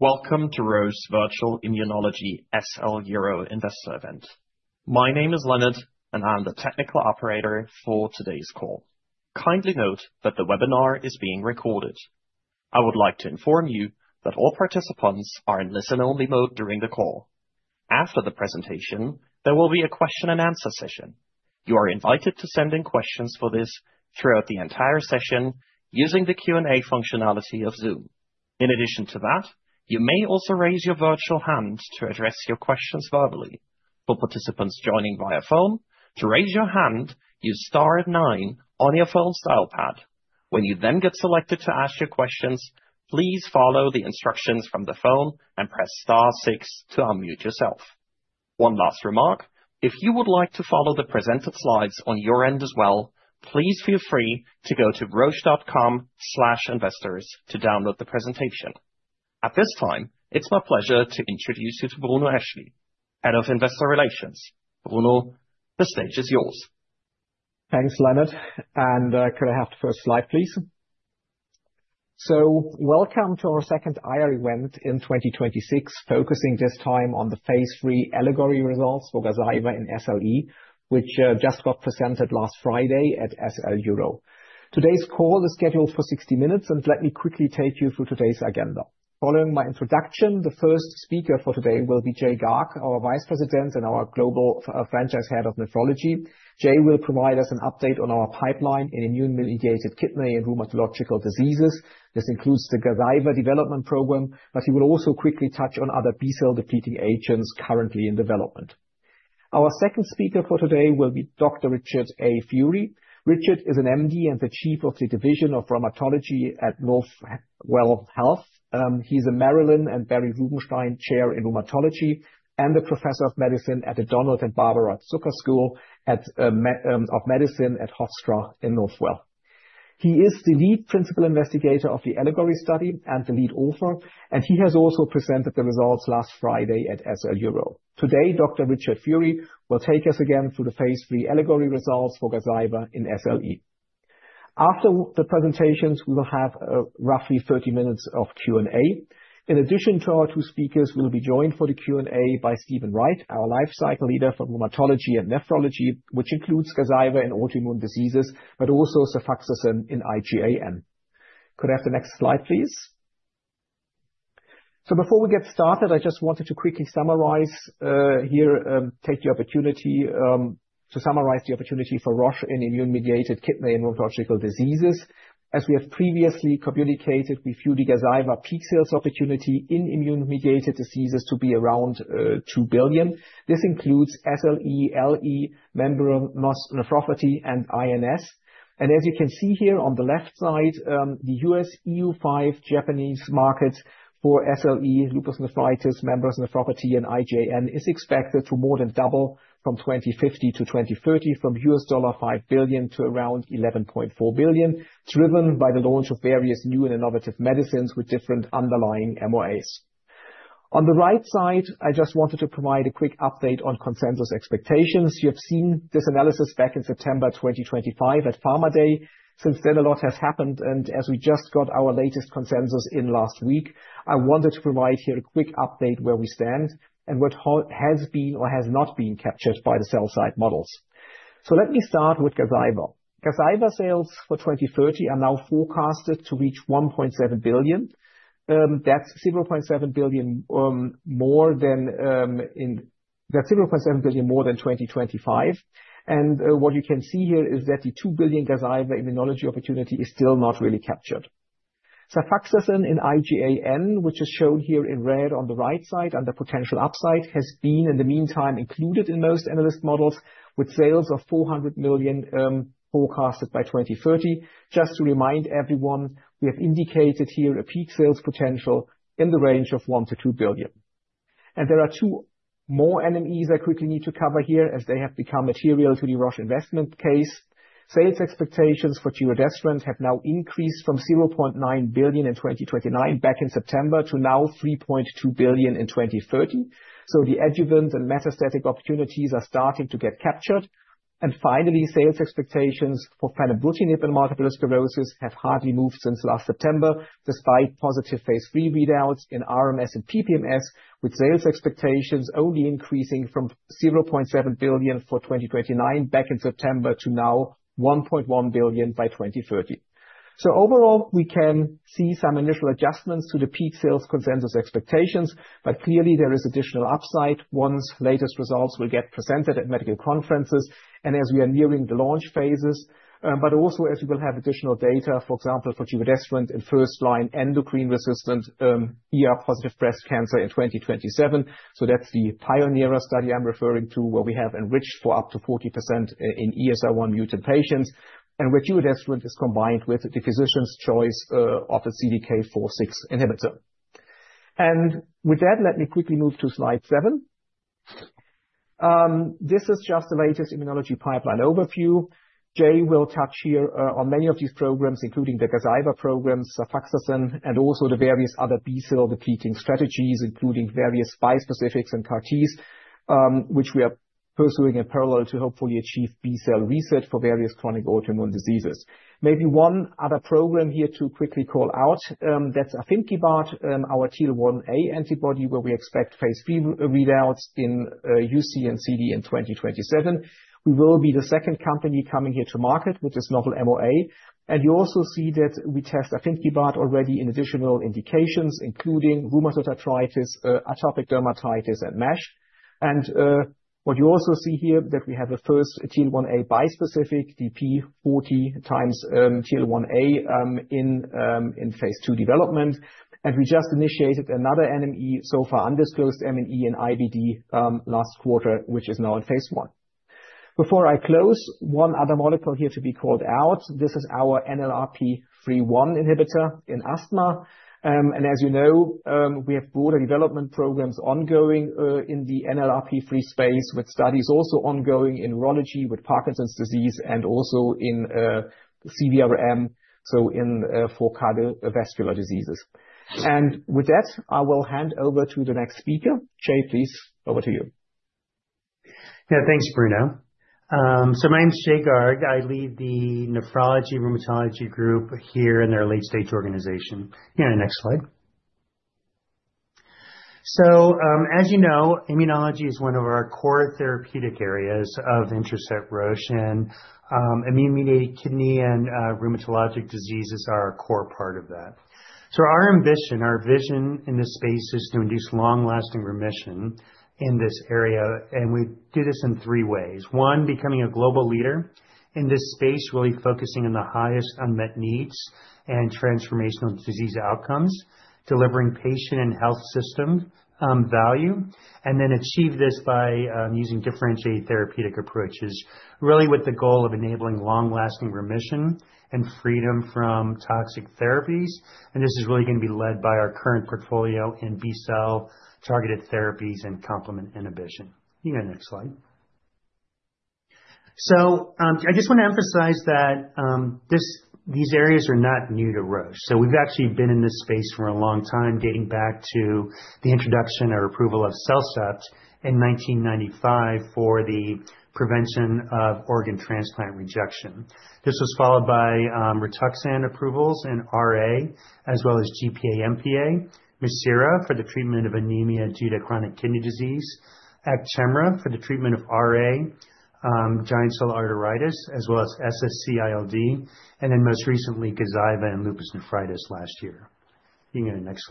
Welcome to Roche Virtual Immunology SLEuro Investor Event. My name is Leonard, and I'm the technical operator for today's call. Kindly note that the webinar is being recorded. I would like to inform that all participants are in listen-only mode during the call. After the presentation, there will be a question and answer session. You are invited to send in questions for this throughout the entire session using the Q&A functionality of Zoom. In addition to that, you may also raise your virtual hand to address your questions verbally. For participants joining via phone, to raise your hand, use star nine on your phone's dial pad. When you then get selected to ask your questions, please follow the instructions from the phone and press star six to unmute yourself. One last remark, if you would like to follow the presented slides on your end as well, please feel free to go to roche.com/investors to download the presentation. At this time, it's my pleasure to introduce you to Bruno Eschli, Head of Investor Relations. Bruno, the stage is yours. Thanks, Leonard. Could I have the first slide, please? Welcome to our second IR event in 2026, focusing this time on the Phase III ALLEGORY results for Gazyva in SLE, which just got presented last Friday at SLEuro. Today's call is scheduled for 60 minutes. Let me quickly take you through today's agenda. Following my introduction, the first speaker for today will be Jay Garg, our Vice President and our Global Franchise Head of Nephrology. Jay will provide us an update on our pipeline in immune-mediated kidney and rheumatological diseases. This includes the Gazyva development program. He will also quickly touch on other B-cell depleting agents currently in development. Our second speaker for today will be Dr. Richard A. Furie. Richard is an M.D. and the Chief, Division of Rheumatology at Northwell Health. He's a Marilyn and Barry Rubenstein Chair in Rheumatology and a Professor of Medicine at the Donald and Barbara Zucker School of Medicine at Hofstra/Northwell. He is the lead principal investigator of the ALLEGORY study and the lead author. He has also presented the results last Friday at SLEuro. Today, Dr. Richard Furie will take us again through the Phase III ALLEGORY results for Gazyva in SLE. After the presentations, we will have roughly 30 minutes of Q&A. In addition to our two speakers, we'll be joined for the Q&A by Steven Wright, our Lifecycle Leader for Rheumatology and Nephrology, which includes Gazyva and autoimmune diseases, but also sefaxersen in IgAN. Could I have the next slide, please? Before we get started, I just wanted to quickly summarize here, take the opportunity to summarize the opportunity for Roche in immune-mediated kidney and rheumatological diseases. As we have previously communicated, we view the Gazyva peak sales opportunity in immune-mediated diseases to be around $2 billion. This includes SLE, membranous nephropathy, and INS. As you can see here on the left side, the US, EU5, Japanese market for SLE, lupus nephritis, membranous nephropathy, and IgAN is expected to more than double from 2050 to 2030, from $5 billion to around $11.4 billion, driven by the launch of various new and innovative medicines with different underlying MOAs. On the right side, I just wanted to provide a quick update on consensus expectations. You have seen this analysis back in September 2025 at Pharma Day. Since then, a lot has happened. As we just got our latest consensus in last week, I wanted to provide here a quick update where we stand and what has been or has not been captured by the sell-side models. Let me start with Gazyva. Gazyva sales for 2030 are now forecasted to reach 1.7 billion. That's 0.7 billion more than 2025. What you can see here is that the 2 billion Gazyva immunology opportunity is still not really captured. Sefaxersen in IgAN, which is shown here in red on the right side under potential upside, has been, in the meantime, included in most analyst models, with sales of 400 million forecasted by 2030. Just to remind everyone, we have indicated here a peak sales potential in the range of $1 billion-$2 billion. There are two more NMEs I quickly need to cover here as they have become material to the Roche investment case. Sales expectations for giredestrant have now increased from $0.9 billion in 2029 back in September to now $3.2 billion in 2030. The adjuvant and metastatic opportunities are starting to get captured. Finally, sales expectations for fenebrutinib in multiple sclerosis have hardly moved since last September, despite positive Phase III readouts in RMS and PPMS, with sales expectations only increasing from $0.7 billion for 2029 back in September to now $1.1 billion by 2030. Overall, we can see some initial adjustments to the peak sales consensus expectations, but clearly there is additional upside once latest results will get presented at medical conferences and as we are nearing the launch Phase s. Also as we will have additional data, for example, for giredestrant in first line endocrine-resistant, ER-positive breast cancer in 2027. That's the PIONEERA study I'm referring to, where we have enriched for up to 40% in ESR1 mutant patients and where giredestrant is combined with the physician's choice of a CDK4/6 inhibitor. With that, let me quickly move to slide 7. This is just the latest immunology pipeline overview. Jay will touch here on many of these programs, including the Gazyva program, sefaxersen, and also the various other B-cell depleting strategies, including various bispecifics and CAR-Ts, which we are pursuing a parallel to hopefully achieve B-cell research for various chronic autoimmune diseases. Maybe one other program here to quickly call out, that's Afimkimab, our TL1A antibody where we expect Phase B readouts in UC and CD in 2027. We will be the second company coming here to market with this novel MOA. You also see that we test Afimkimab already in additional indications including rheumatoid arthritis, atopic dermatitis, and MASH. What you also see here that we have a first TL1A bispecific p40/TL1A in Phase II development. We just initiated another NME, so far undisclosed NME in IBD, last quarter, which is now in Phase I. Before I close, one other molecule here to be called out. This is ourNLRP3 inhibitor in asthma. As you know, we have broader development programs ongoing in the NLRP3 space with studies also ongoing in neurology with Parkinson's disease and also in CVRM, so in for cardiovascular diseases. With that, I will hand over to the next speaker. Jay, please, over to you. Thanks, Bruno. My name's Jay Garg. I lead the nephrology rheumatology group here in our late-stage organization. You can go next slide. As you know, immunology is one of our core therapeutic areas of interest at Roche. Immune-mediated kidney and rheumatologic diseases are a core part of that. Our ambition, our vision in this space is to induce long-lasting remission in this area, and we do this in three ways. One, becoming a global leader in this space, really focusing on the highest unmet needs and transformational disease outcomes, delivering patient and health system value, and then achieve this by using differentiated therapeutic approaches, really with the goal of enabling long-lasting remission and freedom from toxic therapies. This is really going to be led by our current portfolio in B-cell-targeted therapies and complement inhibition. You can go next slide. I just want to emphasize that these areas are not new to Roche. We've actually been in this space for a long time, dating back to the introduction or approval of CellCept in 1995 for the prevention of organ transplant rejection. This was followed by Rituxan approvals in RA, as well as GPA/MPA, Mircera for the treatment of anemia due to chronic kidney disease, Actemra for the treatment of RA, giant cell arteritis, as well as SSc-ILD, and then most recently Gazyva in lupus nephritis last year. You can go next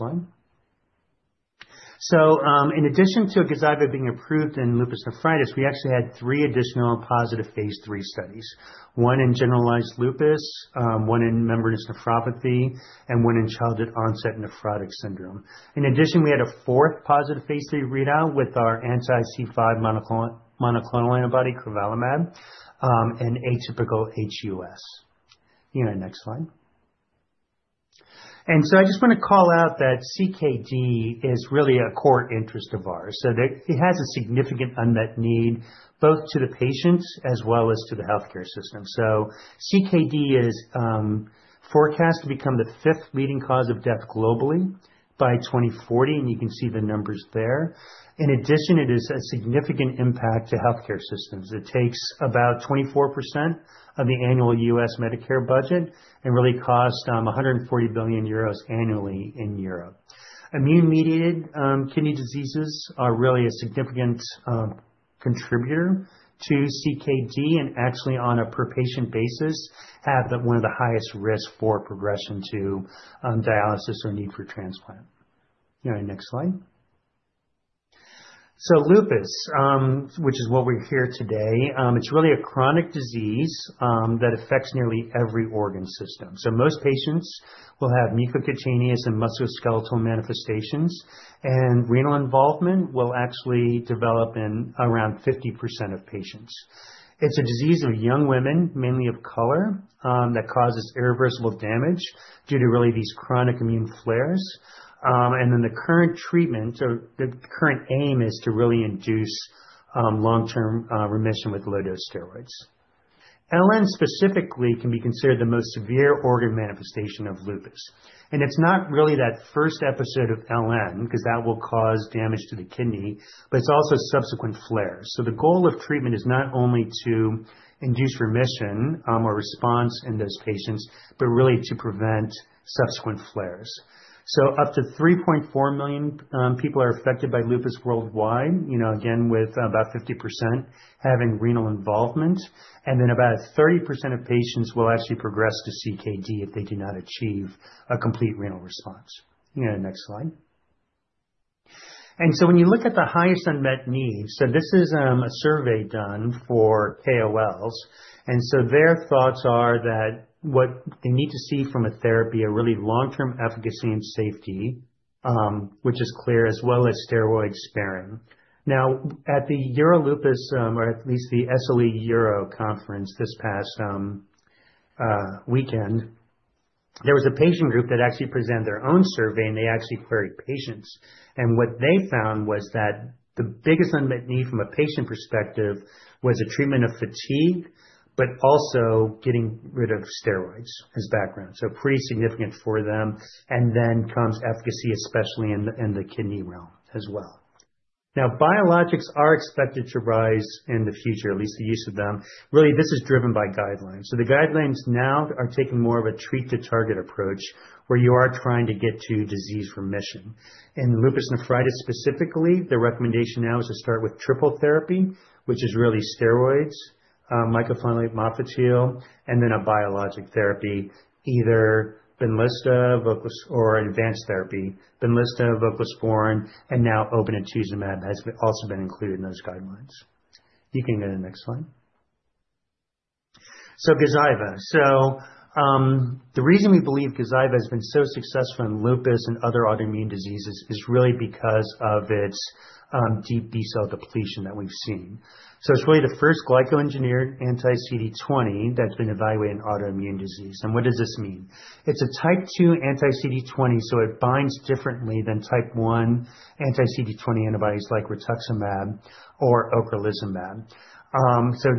slide. In addition to Gazyva being approved in lupus nephritis, we actually had three additional positive Phase III studies, one in generalized lupus, one in membranous nephropathy, and one in childhood onset nephrotic syndrome. In addition, we had a fourth positive Phase III readout with our anti-C5 monoclonal antibody, Crovalimab, in atypical HUS. You can go next slide. I just want to call out that CKD is really a core interest of ours. It has a significant unmet need, both to the patients as well as to the healthcare system. CKD is forecast to become the fifth leading cause of death globally by 2040, and you can see the numbers there. In addition, it is a significant impact to healthcare systems. It takes about 24% of the annual Medicare budget and really costs 140 billion euros annually in Europe. Immune-mediated kidney diseases are really a significant contributor to CKD and actually on a per-patient basis have the one of the highest risk for progression to dialysis or need for transplant. You can go next slide. Lupus, which is what we're here today, it's really a chronic disease that affects nearly every organ system. Most patients will have mucocutaneous and musculoskeletal manifestations, and renal involvement will actually develop in around 50% of patients. It's a disease of young women, mainly of color, that causes irreversible damage due to really these chronic immune flares. The current treatment or the current aim is to really induce long-term remission with low-dose steroids. LN specifically can be considered the most severe organ manifestation of lupus. It's not really that first episode of LN, 'cause that will cause damage to the kidney, but it's also subsequent flares. The goal of treatment is not only to induce remission, or response in those patients, but really to prevent subsequent flares. Up to 3.4 million people are affected by lupus worldwide, you know, again, with about 50% having renal involvement. About 30% of patients will actually progress to CKD if they do not achieve a complete renal response. You can go next slide. When you look at the highest unmet needs, this is a survey done for KOLs. Their thoughts are that what they need to see from a therapy are really long-term efficacy and safety, which is clear, as well as steroid-sparing. At the Euro Lupus, or at least the SLEuro conference this past weekend, there was a patient group that actually presented their own survey, they actually queried patients. What they found was that the biggest unmet need from a patient perspective was a treatment of fatigue, but also getting rid of steroids as background. Pretty significant for them. Then comes efficacy, especially in the kidney realm as well. Biologics are expected to rise in the future, at least the use of them. Really, this is driven by guidelines. The guidelines now are taking more of a treat-to-target approach, where you are trying to get to disease remission. In lupus nephritis specifically, the recommendation now is to start with triple therapy, which is really steroids, mycophenolate mofetil, and then a biologic therapy, either Benlysta, voclosporin, or advanced therapy, Benlysta, voclosporin, and now obinutuzumab has also been included in those guidelines. You can go to the next slide. Gazyva. The reason we believe Gazyva has been so successful in lupus and other autoimmune diseases is really because of its deep B-cell depletion that we've seen. It's really the first glycoengineered anti-CD20 that's been evaluated in autoimmune disease. What does this mean? It's a Type II anti-CD20, so it binds differently than Type I anti-CD20 antibodies like rituximab or ocrelizumab.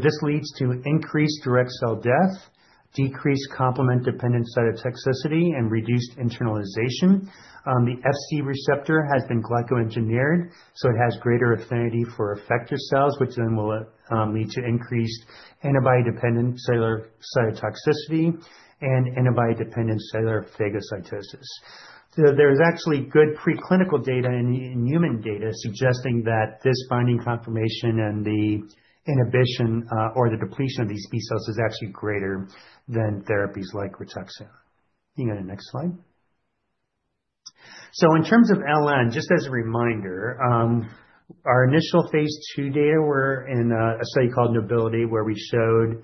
This leads to increased direct cell death, decreased complement-dependent cytotoxicity, and reduced internalization. The Fc receptor has been glycoengineered, so it has greater affinity for effector cells, which then will lead to increased antibody-dependent cellular cytotoxicity and antibody-dependent cellular phagocytosis. There's actually good preclinical data in human data suggesting that this binding confirmation and the inhibition or the depletion of these B cells is actually greater than therapies like Rituxan. You can go to the next slide. In terms of LN, just as a reminder, our initial Phase II data were in a study called Nobility, where we showed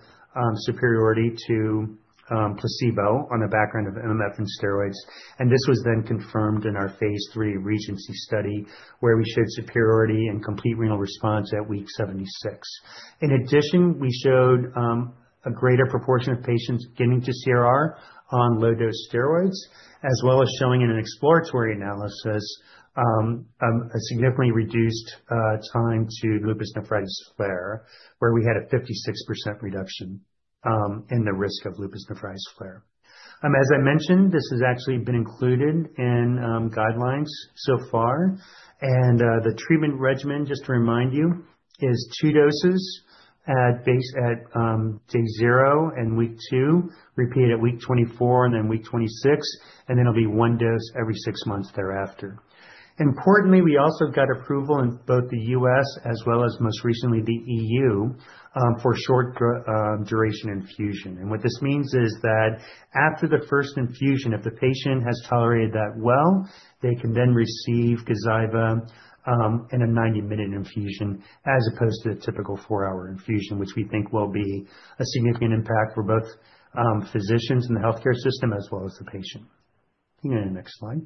superiority to placebo on a background of MMF and steroids. This was then confirmed in our Phase III Regency study, where we showed superiority and complete renal response at week 76. In addition, we showed a greater proportion of patients getting to CRR on low dose steroids, as well as showing in an exploratory analysis, a significantly reduced time to lupus nephritis flare, where we had a 56% reduction in the risk of lupus nephritis flare. As I mentioned, this has actually been included in guidelines so far. The treatment regimen, just to remind you, is 2 doses at base at day 0 and week 2, repeated at week 24 and then week 26, and then it'll be 1 dose every 6 months thereafter. Importantly, we also got approval in both the U.S. as well as most recently the E.U., for short duration infusion. What this means is that after the first infusion, if the patient has tolerated that well, they can then receive Gazyva in a 90-minute infusion as opposed to a typical 4-hour infusion, which we think will be a significant impact for both physicians in the healthcare system as well as the patient. You can go to the next slide.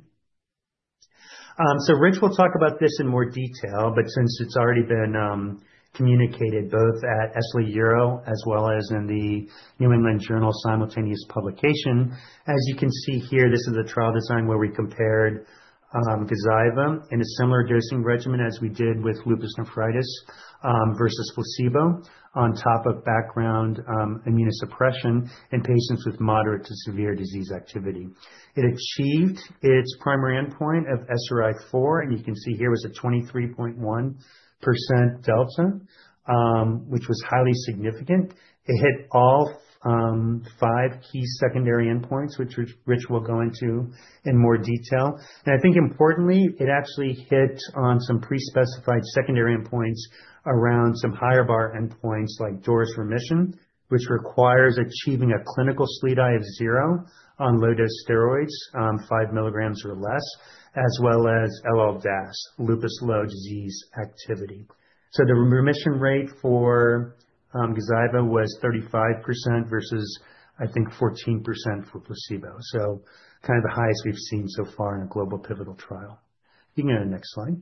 Rich will talk about this in more detail, but since it's already been communicated both at SLEuro as well as in the New England Journal of Medicine simultaneous publication. As you can see here, this is a trial design where we compared Gazyva in a similar dosing regimen as we did with lupus nephritis versus placebo on top of background immunosuppression in patients with moderate to severe disease activity. It achieved its primary endpoint of SRI-4. You can see here was a 23.1% delta, which was highly significant. It hit all five key secondary endpoints, which Rich will go into in more detail. I think importantly, it actually hit on some pre-specified secondary endpoints around some higher bar endpoints like DORIS remission, which requires achieving a clinical SLEDAI of zero on low-dose steroids, five milligrams or less, as well as LLDAS, lupus low disease activity. The remission rate for Gazyva was 35% versus I think 14% for placebo. Kind of the highest we've seen so far in a global pivotal trial. You can go to the next slide.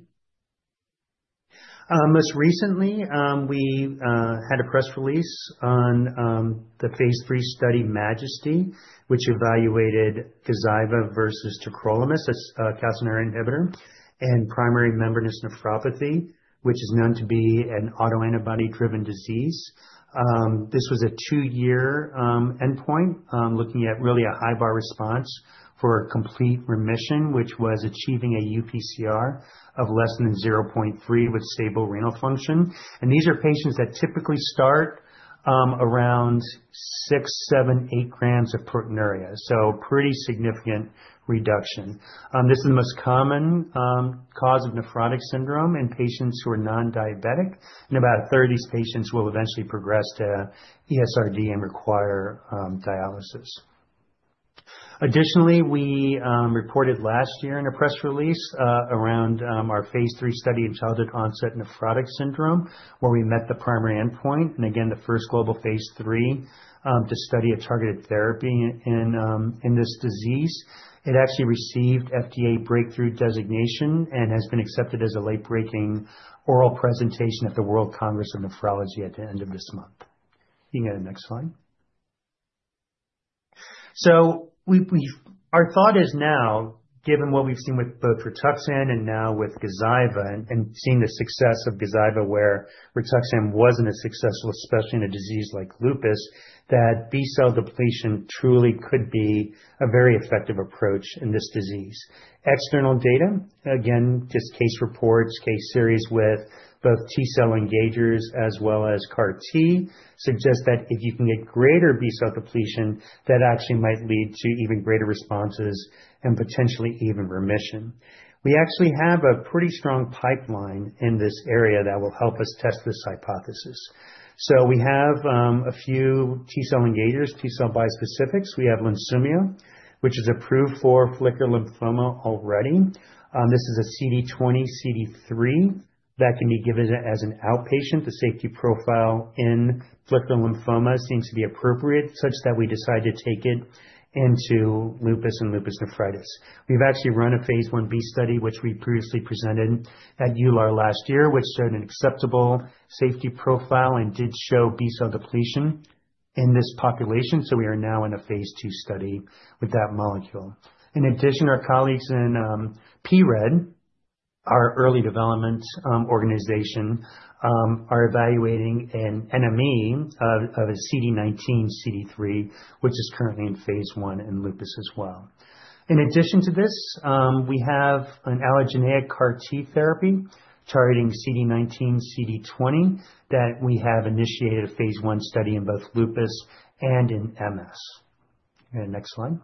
Most recently, we had a press release on the Phase III study MAJESTY, which evaluated Gazyva versus tacrolimus, a calcineurin inhibitor, in primary membranous nephropathy, which is known to be an autoantibody-driven disease. This was a two-year endpoint, looking at really a high bar response for complete remission, which was achieving a UPCR of less than 0.3 with stable renal function. These are patients that typically start around 6, 7, 8 grams of proteinuria. Pretty significant reduction. This is the most common cause of nephrotic syndrome in patients who are non-diabetic. About 30 patients will eventually progress to ESRD and require dialysis. Additionally, we reported last year in a press release, around our Phase III study in childhood-onset nephrotic syndrome, where we met the primary endpoint, and again, the first global Phase III to study a targeted therapy in this disease. It actually received FDA breakthrough designation and has been accepted as a late-breaking oral presentation at the World Congress of Nephrology at the end of this month. You can go to the next slide. Our thought is now, given what we've seen with both Rituxan and now with Gazyva, and seeing the success of Gazyva where Rituxan wasn't as successful, especially in a disease like lupus, that B-cell depletion truly could be a very effective approach in this disease. External data, again, just case reports, case series with both T-cell engagers as well as CAR-T suggest that if you can get greater B-cell depletion, that actually might lead to even greater responses and potentially even remission. We actually have a pretty strong pipeline in this area that will help us test this hypothesis. We have a few T-cell engagers, T-cell bispecifics. We have Lunsumio, which is approved for follicular lymphoma already. This is a CD20-CD3 that can be given as an outpatient. The safety profile in follicular lymphoma seems to be appropriate, such that we decided to take it into lupus and lupus nephritis. We've actually run a Phase Ib study, which we previously presented at EULAR last year, which showed an acceptable safety profile and did show B-cell depletion in this population. We are now in a 2 study with that molecule. In addition, our colleagues in pRED, our early development, organization, are evaluating an NME of a CD19-CD3, which is currently in Phase I in lupus as well. In addition to this, we have an allogeneic CAR-T therapy targeting CD19-CD20 that we have initiated a Phase I study in both lupus and in MS. Next slide.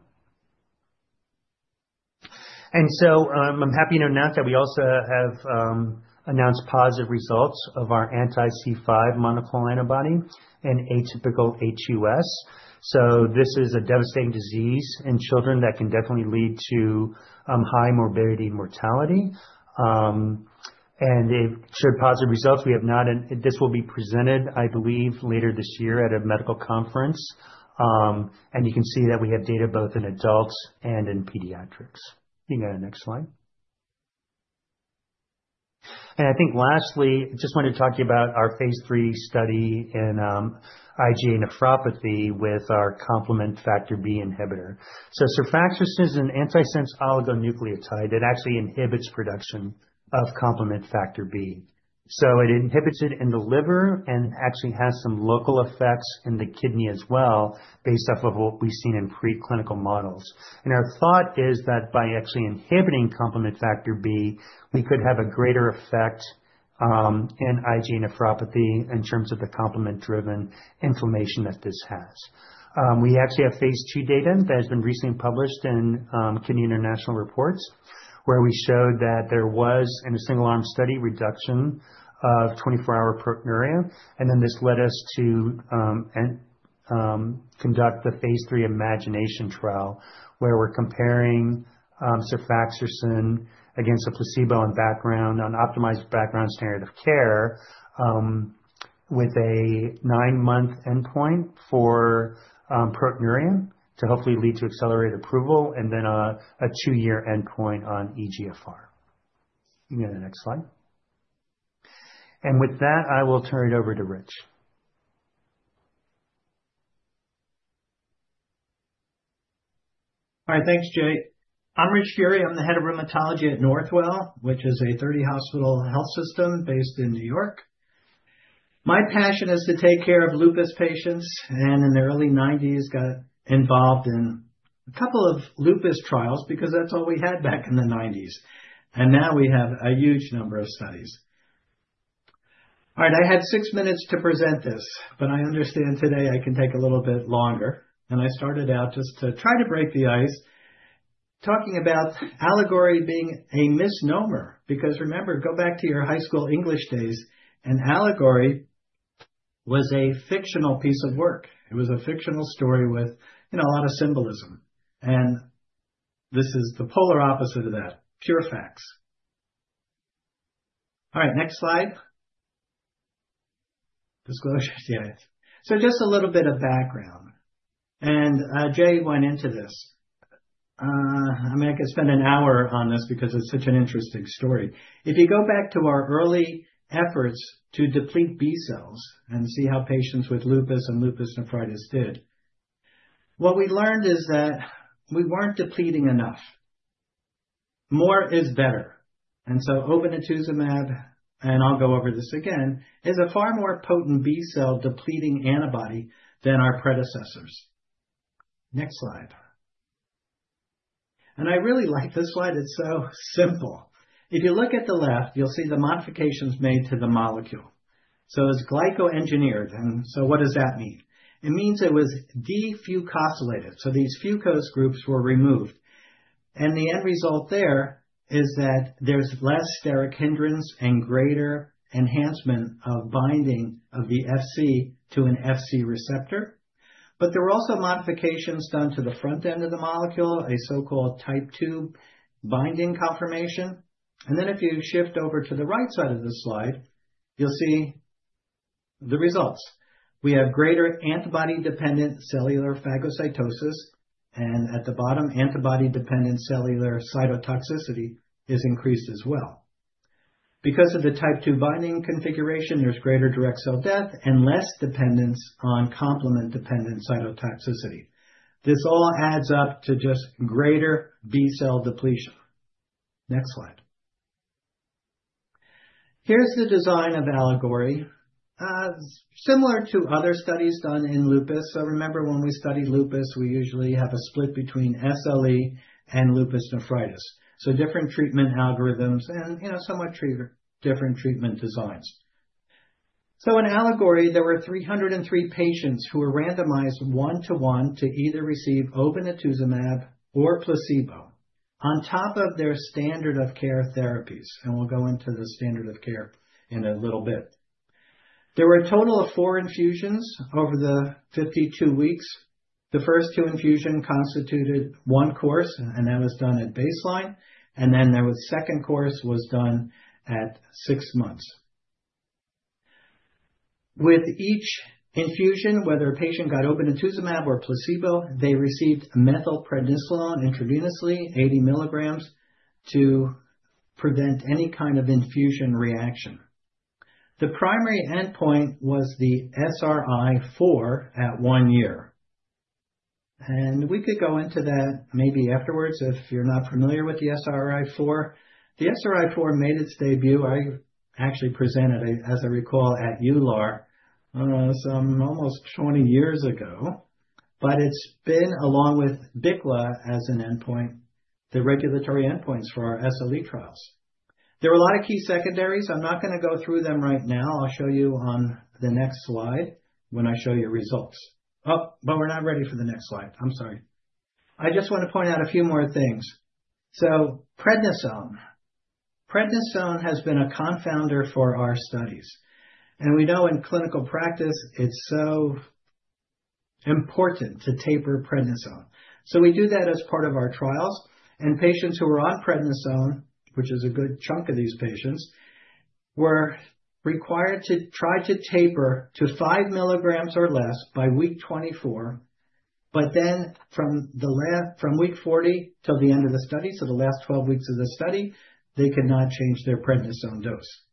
I'm happy to announce that we also have, announced positive results of our anti-C5 monoclonal antibody in atypical HUS. This is a devastating disease in children that can definitely lead to, high morbidity and mortality. It showed positive results. We have not. This will be presented, I believe, later this year at a medical conference. You can see that we have data both in adults and in pediatrics. You can go to next slide. I think lastly, just wanted to talk to you about our Phase III study in IgA nephropathy with our complement factor B inhibitor. sefaxersen is an antisense oligonucleotide that actually inhibits production of complement factor B. It inhibits it in the liver and actually has some local effects in the kidney as well, based off of what we've seen in preclinical models. Our thought is that by actually inhibiting complement factor B, we could have a greater effect in IgA nephropathy in terms of the complement-driven inflammation that this has. We actually have Phase two data that has been recently published in Kidney International Reports, where we showed that there was, in a single-arm study, reduction of 24-hour proteinuria, and then this led us to conduct the Phase III IMAGINATION trial, where we're comparing sefaxersen against a placebo and background on optimized background standard of care, with a 9-month endpoint for proteinuria to hopefully lead to accelerated approval and then a 2-year endpoint on eGFR. You can go to the next slide. With that, I will turn it over to Rich. All right. Thanks, Jay. I'm Rich Geary. I'm the head of rheumatology at Northwell, which is a 30 hospital health system based in New York. My passion is to take care of lupus patients. In the early 90s got involved in a couple of lupus trials because that's all we had back in the 90s. Now we have a huge number of studies. All right, I had six minutes to present this. I understand today I can take a little bit longer. I started out just to try to break the ice, talking about allegory being a misnomer, because remember, go back to your high school English days, an allegory was a fictional piece of work. It was a fictional story with, you know, a lot of symbolism. This is the polar opposite of that, pure facts. All right, next slide. Disclosure, yes. Just a little bit of background. Jay went into this. I mean, I could spend an hour on this because it's such an interesting story. If you go back to our early efforts to deplete B-cells and see how patients with lupus and lupus nephritis did, what we learned is that we weren't depleting enough. More is better. Obinutuzumab, and I'll go over this again, is a far more potent B-cell depleting antibody than our predecessors. Next slide. I really like this slide. It's so simple. If you look at the left, you'll see the modifications made to the molecule. It's glyco-engineered. What does that mean? It means it was defucosylated, so these fucose groups were removed. The end result there is that there's less steric hindrance and greater enhancement of binding of the Fc to an Fc receptor. There are also modifications done to the front end of the molecule, a so-called Type II binding conformation. If you shift over to the right side of this slide, you'll see the results. We have greater antibody-dependent cellular phagocytosis, and at the bottom, antibody-dependent cellular cytotoxicity is increased as well. Because of the Type II binding configuration, there's greater direct cell death and less dependence on complement-dependent cytotoxicity. This all adds up to just greater B-cell depletion. Next slide. Here's the design of ALLEGORY. Similar to other studies done in lupus. Remember when we studied lupus, we usually have a split between SLE and lupus nephritis. Different treatment algorithms and, you know, somewhat different treatment designs. In ALLEGORY, there were 303 patients who were randomized 1-to-1 to either receive obinutuzumab or placebo on top of their standard of care therapies, and we'll go into the standard of care in a little bit. There were a total of 4 infusions over the 52 weeks. The first 2 infusion constituted 1 course, and that was done at baseline. There was second course was done at 6 months. With each infusion, whether a patient got obinutuzumab or placebo, they received methylprednisolone intravenously, 80 milligrams, to prevent any kind of infusion reaction. The primary endpoint was the SRI-4 at 1 year. We could go into that maybe afterwards if you're not familiar with the SRI-4. The SRI-4 made its debut, I actually presented it, as I recall, at EULAR, some almost 20 years ago. It's been along with BICLA as an endpoint, the regulatory endpoints for our SLE trials. There were a lot of key secondaries. I'm not going to go through them right now. I'll show you on the next slide when I show you results. We're not ready for the next slide. I'm sorry. I just want to point out a few more things. Prednisone. Prednisone has been a confounder for our studies. We know in clinical practice it's so important to taper prednisone. We do that as part of our trials. Patients who are on prednisone, which is a good chunk of these patients, were required to try to taper to 5 milligrams or less by week 24. From week 40 till the end of the study, so the last 12 weeks of the study, they could not change their prednisone dose.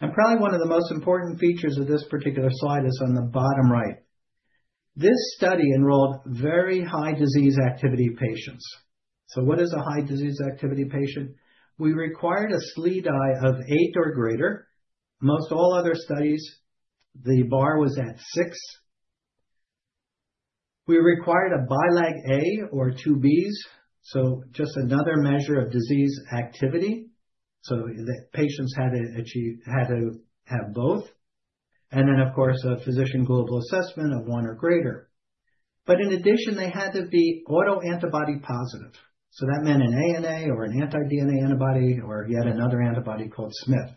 Probably one of the most important features of this particular slide is on the bottom right. This study enrolled very high disease activity patients. What is a high disease activity patient? We required a SLEDAI of 8 or greater. Most all other studies, the bar was at 6. We required a BILAG A or 2 Bs, so just another measure of disease activity. The patients had to have both. Of course, a physician global assessment of 1 or greater. In addition, they had to be autoantibody positive. That meant an ANA or an anti-DNA antibody or yet another antibody called Smith.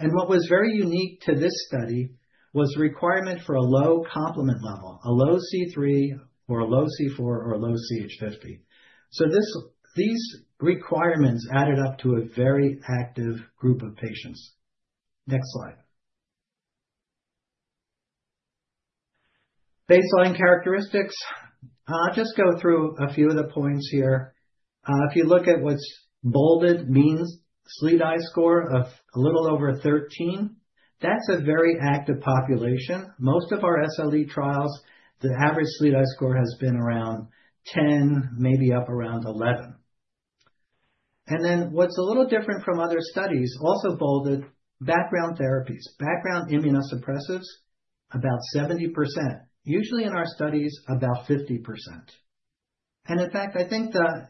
What was very unique to this study was the requirement for a low complement level, a low C3 or a low C4 or a low CH50. These requirements added up to a very active group of patients. Next slide. Baseline characteristics. I'll just go through a few of the points here. If you look at what's bolded means SLEDAI score of a little over 13. That's a very active population. Most of our SLE trials, the average SLEDAI score has been around 10, maybe up around 11. What's a little different from other studies, also bolded, background therapies. Background immunosuppressives, about 70%. Usually in our studies, about 50%. In fact, I think the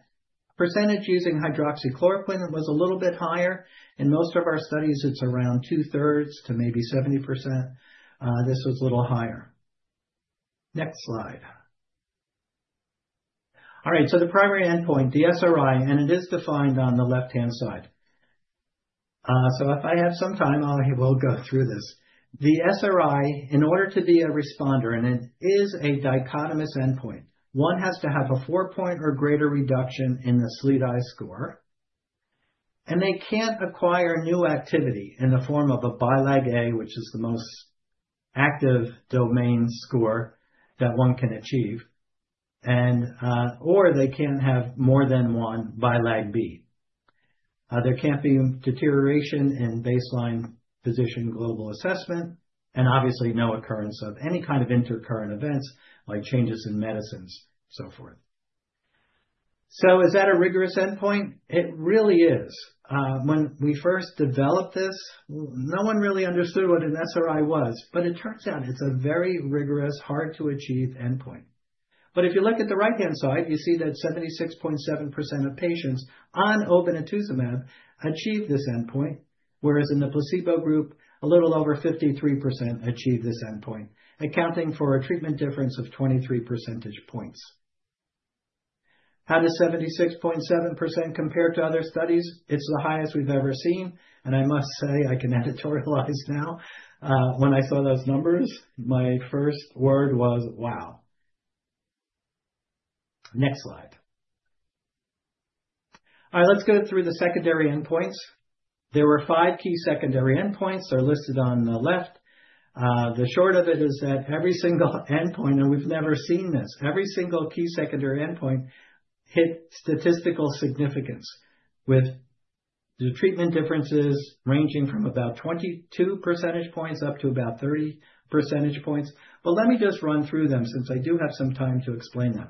percentage using hydroxychloroquine was a little bit higher. In most of our studies, it's around two-thirds to maybe 70%. This was a little higher. Next slide. All right, so the primary endpoint, the SRI, is defined on the left-hand side. If I have some time, I will go through this. The SRI, in order to be a responder, it is a dichotomous endpoint, one has to have a 4-point or greater reduction in the SLEDAI score. They can't acquire new activity in the form of a BILAG A, which is the most active domain score that one can achieve, or they can have more than one BILAG B. There can't be deterioration in baseline physician global assessment, obviously no occurrence of any kind of intercurrent events like changes in medicines, so forth. Is that a rigorous endpoint? It really is. When we first developed this, no one really understood what an SRI was, but it turns out it's a very rigorous, hard to achieve endpoint. If you look at the right-hand side, you see that 76.7% of patients on obinutuzumab achieved this endpoint, whereas in the placebo group, a little over 53% achieved this endpoint, accounting for a treatment difference of 23 percentage points. How does 76.7% compare to other studies? It's the highest we've ever seen. I must say I can editorialize now. When I saw those numbers, my first word was wow. Next slide. All right, let's go through the secondary endpoints. There were five key secondary endpoints. They're listed on the left. The short of it is that every single endpoint, and we've never seen this, every single key secondary endpoint hit statistical significance with the treatment differences ranging from about 22 percentage points up to about 30 percentage points. Let me just run through them since I do have some time to explain them.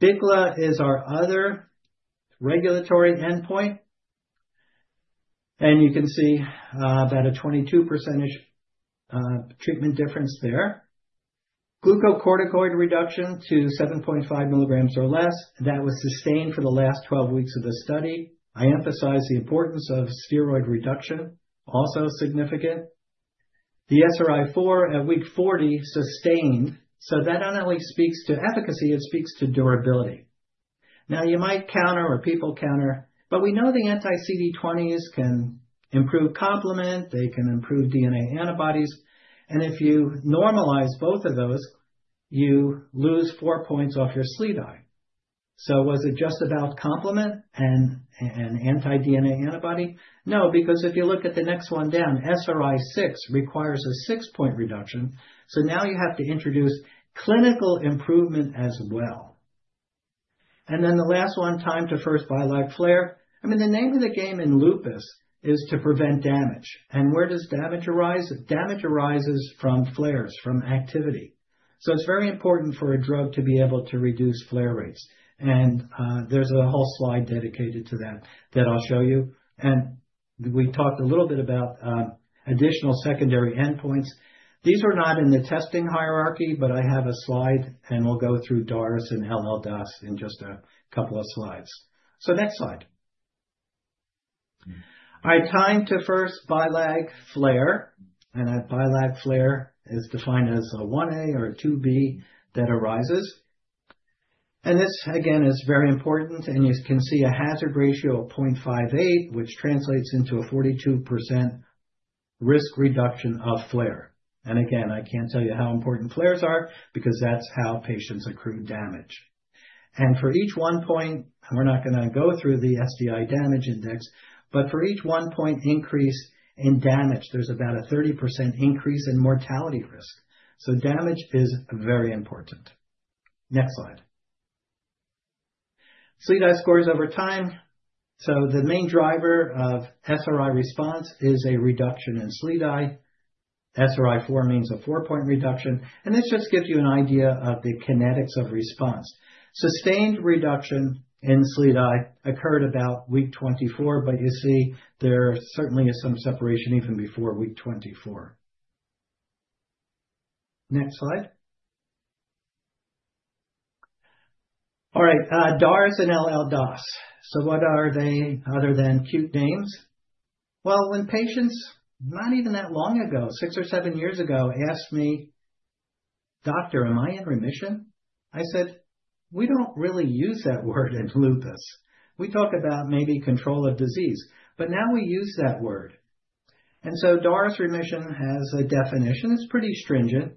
BICLA is our other regulatory endpoint, and you can see that a 22 percentage treatment difference there. Glucocorticoid reduction to 7.5 milligrams or less, that was sustained for the last 12 weeks of the study. I emphasize the importance of steroid reduction, also significant. The SRI-4 at week 40 sustained. That not only speaks to efficacy, it speaks to durability. You might counter or people counter, but we know the anti-CD20s can improve complement, they can improve DNA antibodies. If you normalize both of those, you lose four points off your SLEDAI. Was it just about complement and anti-DNA antibody? No, because if you look at the next one down, SRI-6 requires a 6-point reduction, so now you have to introduce clinical improvement as well. The last one, time to first BILAG flare. I mean, the name of the game in lupus is to prevent damage. Where does damage arise? Damage arises from flares, from activity. It's very important for a drug to be able to reduce flare rates. There's a whole slide dedicated to that that I'll show you. We talked a little bit about additional secondary endpoints. These were not in the testing hierarchy, but I have a slide and we'll go through DARS and LLDAS in just a couple of slides. Next slide. All right, time to first BILAG flare. That BILAG flare is defined as a 1-A or a 2-B that arises. This again is very important, and you can see a hazard ratio of 0.58, which translates into a 42% risk reduction of flare. Again, I can't tell you how important flares are because that's how patients accrue damage. For each 1 point, we're not going to go through the SDI damage index, for each 1 point increase in damage, there's about a 30% increase in mortality risk. Damage is very important. Next slide. SLEDAI scores over time. The main driver of SRI response is a reduction in SLEDAI. SRI-4 means a 4-point reduction, this just gives you an idea of the kinetics of response. Sustained reduction in SLEDAI occurred about week 24, you see there certainly is some separation even before week 24. Next slide. DARS and LLDAS. What are they other than cute names? When patients not even that long ago, 6 or 7 years ago, asked me, "Doctor, am I in remission?" I said, "We don't really use that word in lupus." We talk about maybe control of disease. Now we use that word. DARS remission has a definition. It's pretty stringent.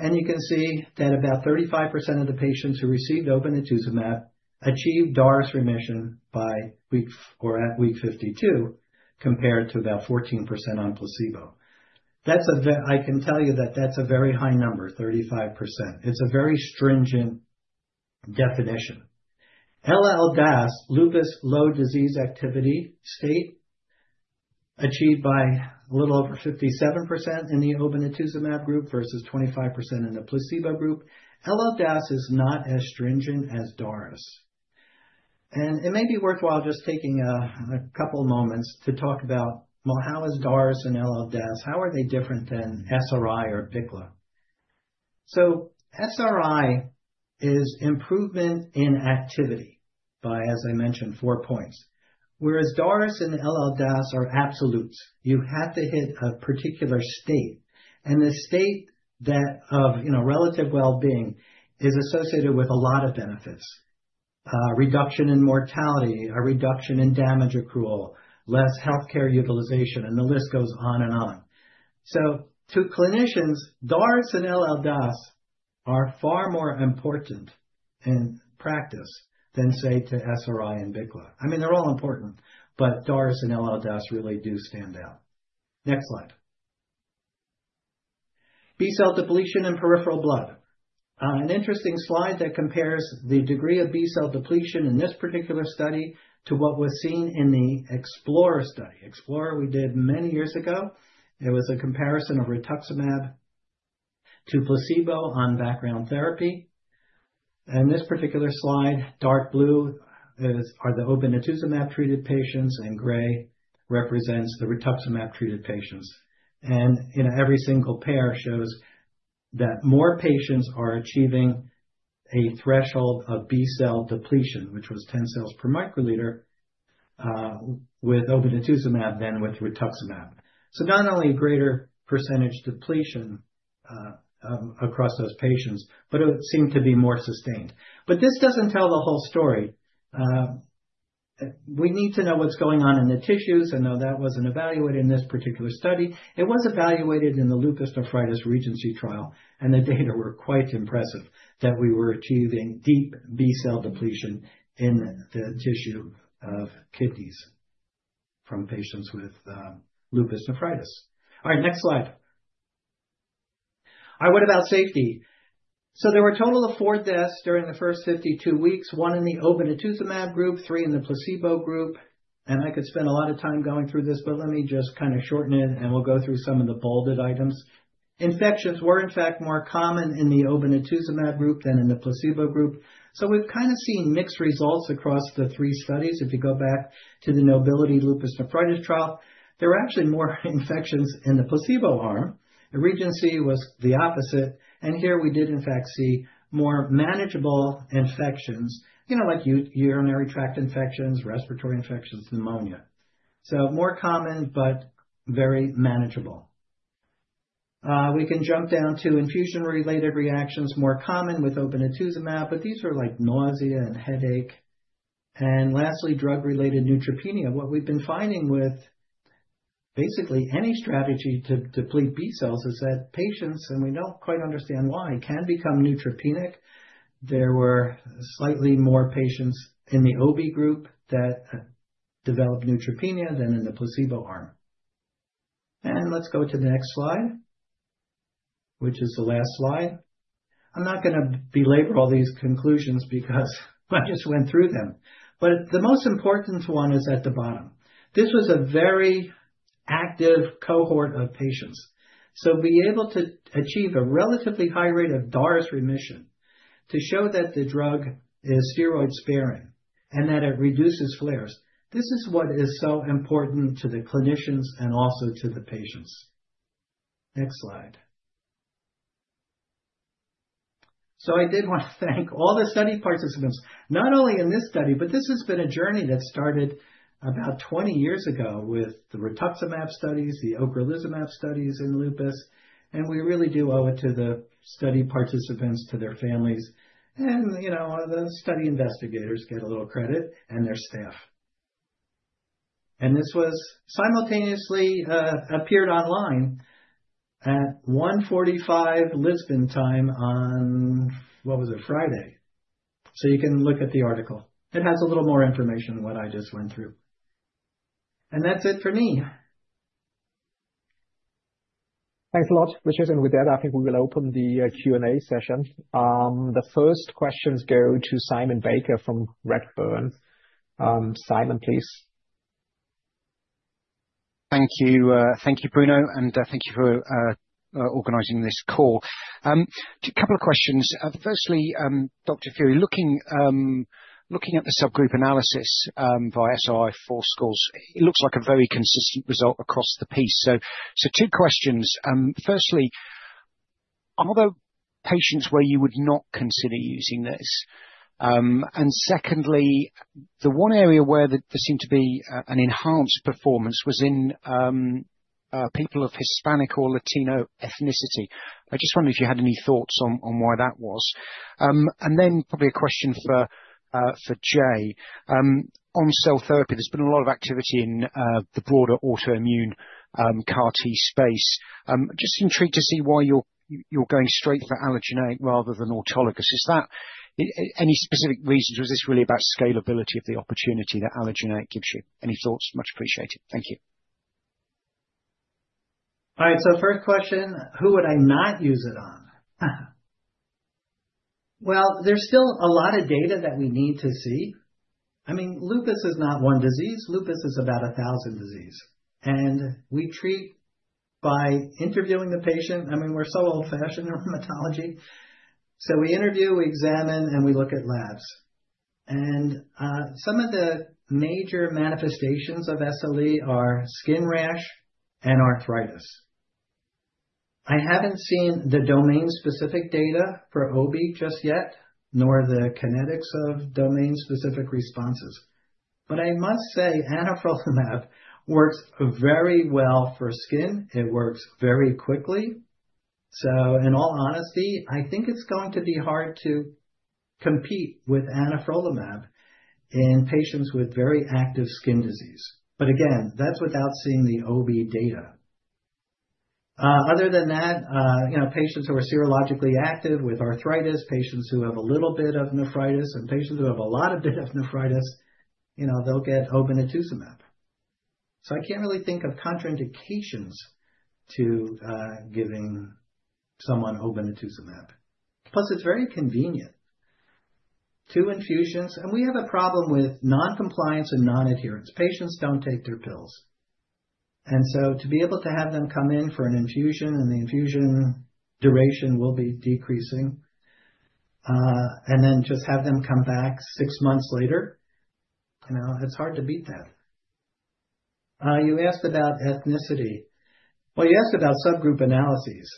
You can see that about 35% of the patients who received obinutuzumab achieved DARS remission by week or at week 52 compared to about 14% on placebo. That's a very high number, 35%. It's a very stringent definition. LLDAS, Lupus Low Disease Activity State, achieved by a little over 57% in the obinutuzumab group versus 25% in the placebo group. LLDAS is not as stringent as DARS. It may be worthwhile just taking a couple moments to talk about, well, how is DARS and LLDAS, how are they different than SRI or BICLA? SRI is improvement in activity by, as I mentioned, four points, whereas DARS and LLDAS are absolutes. You have to hit a particular state. The state that of, you know, relative wellbeing is associated with a lot of benefits. Reduction in mortality, a reduction in damage accrual, less healthcare utilization, and the list goes on and on. To clinicians, DARS and LLDAS are far more important in practice than, say, to SRI and BICLA. I mean, they're all important, DARS and LLDAS really do stand out. Next slide. B-cell depletion in peripheral blood. An interesting slide that compares the degree of B-cell depletion in this particular study to what was seen in the EXPLORER study. EXPLORER we did many years ago. It was a comparison of rituximab to placebo on background therapy. In this particular slide, dark blue are the obinutuzumab-treated patients, and gray represents the rituximab-treated patients. You know, every single pair shows that more patients are achieving a threshold of B-cell depletion, which was 10 cells per microliter, with obinutuzumab than with rituximab. Not only greater percentage depletion across those patients, but it seemed to be more sustained. This doesn't tell the whole story. We need to know what's going on in the tissues, and though that wasn't evaluated in this particular study, it was evaluated in the lupus nephritis REGENCY trial, and the data were quite impressive that we were achieving deep B-cell depletion in the tissue of kidneys from patients with lupus nephritis. All right, next slide. All right, what about safety? There were a total of 4 deaths during the first 52 weeks, 1 in the obinutuzumab group, 3 in the placebo group. I could spend a lot of time going through this, but let me just kinda shorten it, and we'll go through some of the bolded items. Infections were, in fact, more common in the obinutuzumab group than in the placebo group. We've kinda seen mixed results across the 3 studies. If you go back to the NOBILITY lupus nephritis trial, there were actually more infections in the placebo arm. REGENCY was the opposite. Here we did in fact see more manageable infections, you know, like urinary tract infections, respiratory infections, pneumonia. More common but very manageable. We can jump down to infusion-related reactions more common with obinutuzumab, but these are like nausea and headache. Lastly, drug-related neutropenia. What we've been finding with basically any strategy to deplete B cells is that patients, and we don't quite understand why, can become neutropenic. There were slightly more patients in the Obi group that developed neutropenia than in the placebo arm. Let's go to the next slide, which is the last slide. I'm not going to belabor all these conclusions because I just went through them. The most important one is at the bottom. This was a very active cohort of patients. Being able to achieve a relatively high rate of DORIS remission to show that the drug is steroid-sparing and that it reduces flares, this is what is so important to the clinicians and also to the patients. Next slide. I did want to thank all the study participants, not only in this study, but this has been a journey that started about 20 years ago with the rituximab studies, the ocrelizumab studies in lupus, and we really do owe it to the study participants, to their families, and, you know, the study investigators get a little credit, and their staff. This was simultaneously appeared online at 1:45 Lisbon time on, what was it? Friday. You can look at the article. It has a little more information than what I just went through. That's it for me. Thanks a lot, Richard. With that, I think we will open the Q&A session. The first questions go to Simon Baker from Redburn. Simon, please. Thank you. Thank you, Bruno, and thank you for organizing this call. Just a couple of questions. Firstly, Dr. Furie, looking at the subgroup analysis via SRI-4 scores, it looks like a very consistent result across the piece. Two questions. Firstly, are there patients where you would not consider using this? Secondly, the one area where there seemed to be an enhanced performance was in people of Hispanic or Latino ethnicity. I just wondered if you had any thoughts on why that was. Then probably a question for Jay. On cell therapy, there's been a lot of activity in the broader autoimmune CAR T space. Just intrigued to see why you're going straight for allogeneic rather than autologous. Is that. Any specific reasons, or is this really about scalability of the opportunity that allogeneic gives you? Any thoughts? Much appreciated. Thank you. All right. First question, who would I not use it on? Well, there's still a lot of data that we need to see. I mean, lupus is not one disease. Lupus is about 1,000 disease. We treat by interviewing the patient. I mean, we're so old-fashioned in rheumatology. We interview, we examine, and we look at labs. Some of the major manifestations of SLE are skin rash and arthritis. I haven't seen the domain-specific data for obi just yet, nor the kinetics of domain-specific responses. I must say anifrolumab works very well for skin. It works very quickly. In all honesty, I think it's going to be hard to compete with anifrolumab in patients with very active skin disease. Again, that's without seeing the obi data. Other than that, you know, patients who are serologically active with arthritis, patients who have a little bit of nephritis, and patients who have a lot of bit of nephritis, you know, they'll get obinutuzumab. I can't really think of contraindications to giving someone obinutuzumab. It's very convenient. Two infusions. We have a problem with non-compliance and non-adherence. Patients don't take their pills. To be able to have them come in for an infusion, and the infusion duration will be decreasing, and then just have them come back 6 months later, you know, it's hard to beat that. You asked about ethnicity. Well, you asked about subgroup analyses.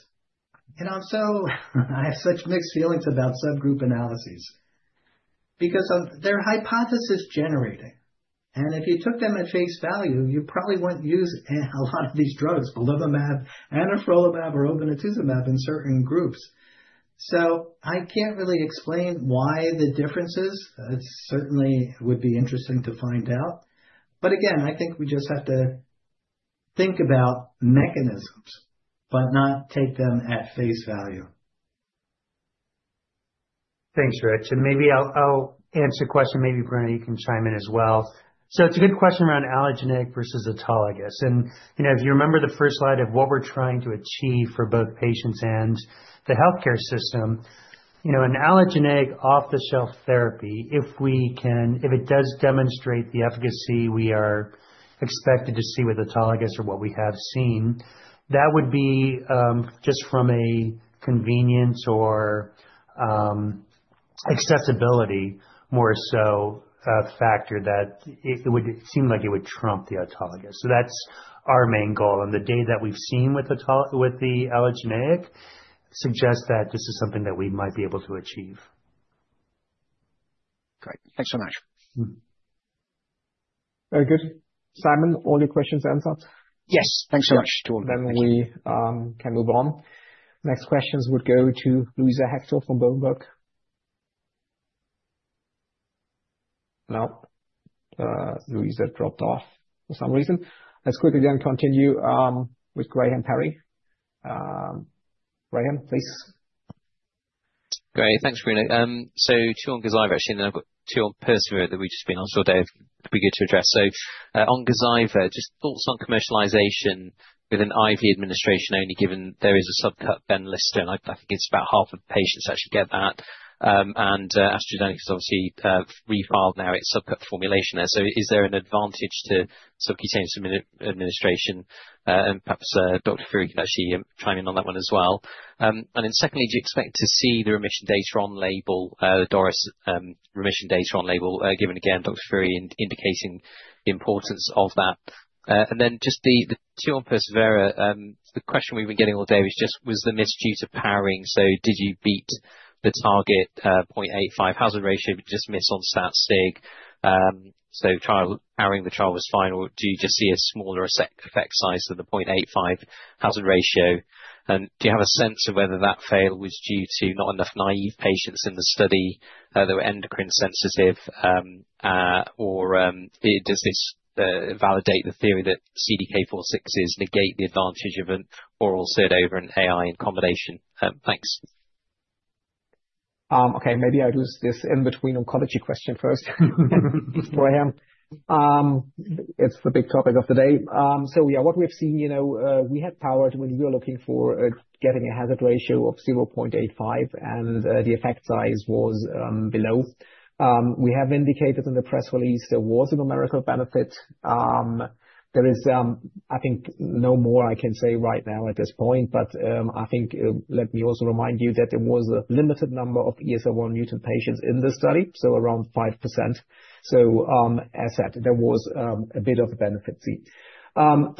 You know, I have such mixed feelings about subgroup analyses because of they're hypothesis-generating. If you took them at face value, you probably wouldn't use a lot of these drugs, belimumab, anifrolumab, or obinutuzumab in certain groups. I can't really explain why the differences. It certainly would be interesting to find out. Again, I think we just have to think about mechanisms but not take them at face value. Thanks, Rich. Maybe I'll answer your question. Maybe, Bruno, you can chime in as well. It's a good question around allogeneic versus autologous. You know, if you remember the first slide of what we're trying to achieve for both patients and the healthcare system, you know, an allogeneic off-the-shelf therapy, if it does demonstrate the efficacy we are expected to see with autologous or what we have seen, that would be just from a convenience or accessibility more so factor that it would seem like it would trump the autologous. That's our main goal. The data that we've seen with the allogeneic suggests that this is something that we might be able to achieve. Great. Thanks so much. Very good. Simon, all your questions answered? Yes. Thanks so much to all. We can move on. Next questions would go to Louisa Hector from Bloomberg. No. Louisa dropped off for some reason. Let's quickly then continue with Graham Perry. Graham, please. Great. Thanks, Bruno. Two on Gazyva actually, then I've got two on Persuade that we've just been on, Dave, it'd be good to address. On Gazyva, just thoughts on commercialization with an IV administration only given there is a subcut Benlysta, and I think it's about half of patients actually get that. AstraZeneca's obviously refiled now its subcut formulation. Is there an advantage to subcutaneous administration? Perhaps Dr. Furie can actually chime in on that one as well. Secondly, do you expect to see the remission data on label, the DORIS remission data on label, given again, Dr. Furie indicating the importance of that? Just the two on PIONEER-A. The question we've been getting all day was the missed due to powering. Did you beat the target, 0.85 hazard ratio but just miss on stat sig? Powering the trial was final. Do you just see a smaller effect size than the 0.85 hazard ratio? Do you have a sense of whether that fail was due to not enough naive patients in the study that were endocrine sensitive, or does this validate the theory that CDK4/6s negate the advantage of an oral SERD over an AI in combination? Thanks. Okay, maybe I'll do this in between oncology question first Graham. It's the big topic of the day. Yeah, what we've seen, you know, we had powered when you're looking for getting a hazard ratio of 0.85 and the effect size was below. We have indicated in the press release there was a numerical benefit. There is, I think no more I can say right now at this point. I think, let me also remind you that there was a limited number of ESR1 mutant patients in this study, so around 5%. As said, there was a bit of a benefit seen. What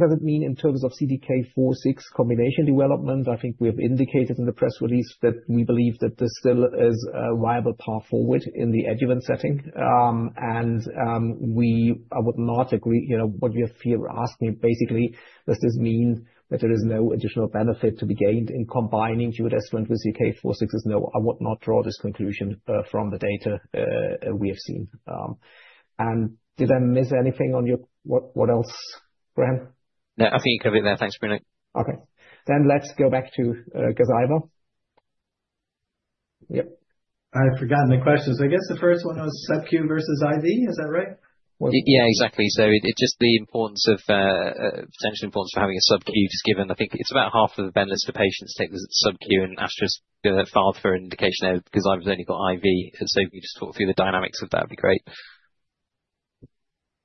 does it mean in terms of CDK4/6 combination development? I think we have indicated in the press release that we believe that this still is a viable path forward in the adjuvant setting. I would not agree, you know, what we feel we're asking basically, does this mean that there is no additional benefit to be gained in combining giredestrant with CDK4/6 is no. I would not draw this conclusion from the data we have seen. Did I miss anything What, what else, Graham? I think you covered it there. Thanks, Bruno. Okay. let's go back to Gazyva. Yep. I've forgotten the questions. I guess the first one was sub-Q versus IV. Is that right? Yeah, exactly. It's just the importance of potential importance for having a sub-Q just given. I think it's about half of the Benlysta patients take the sub-Q and Astra's filed for an indication now 'cause I've only got IV. If you just talk through the dynamics of that'd be great.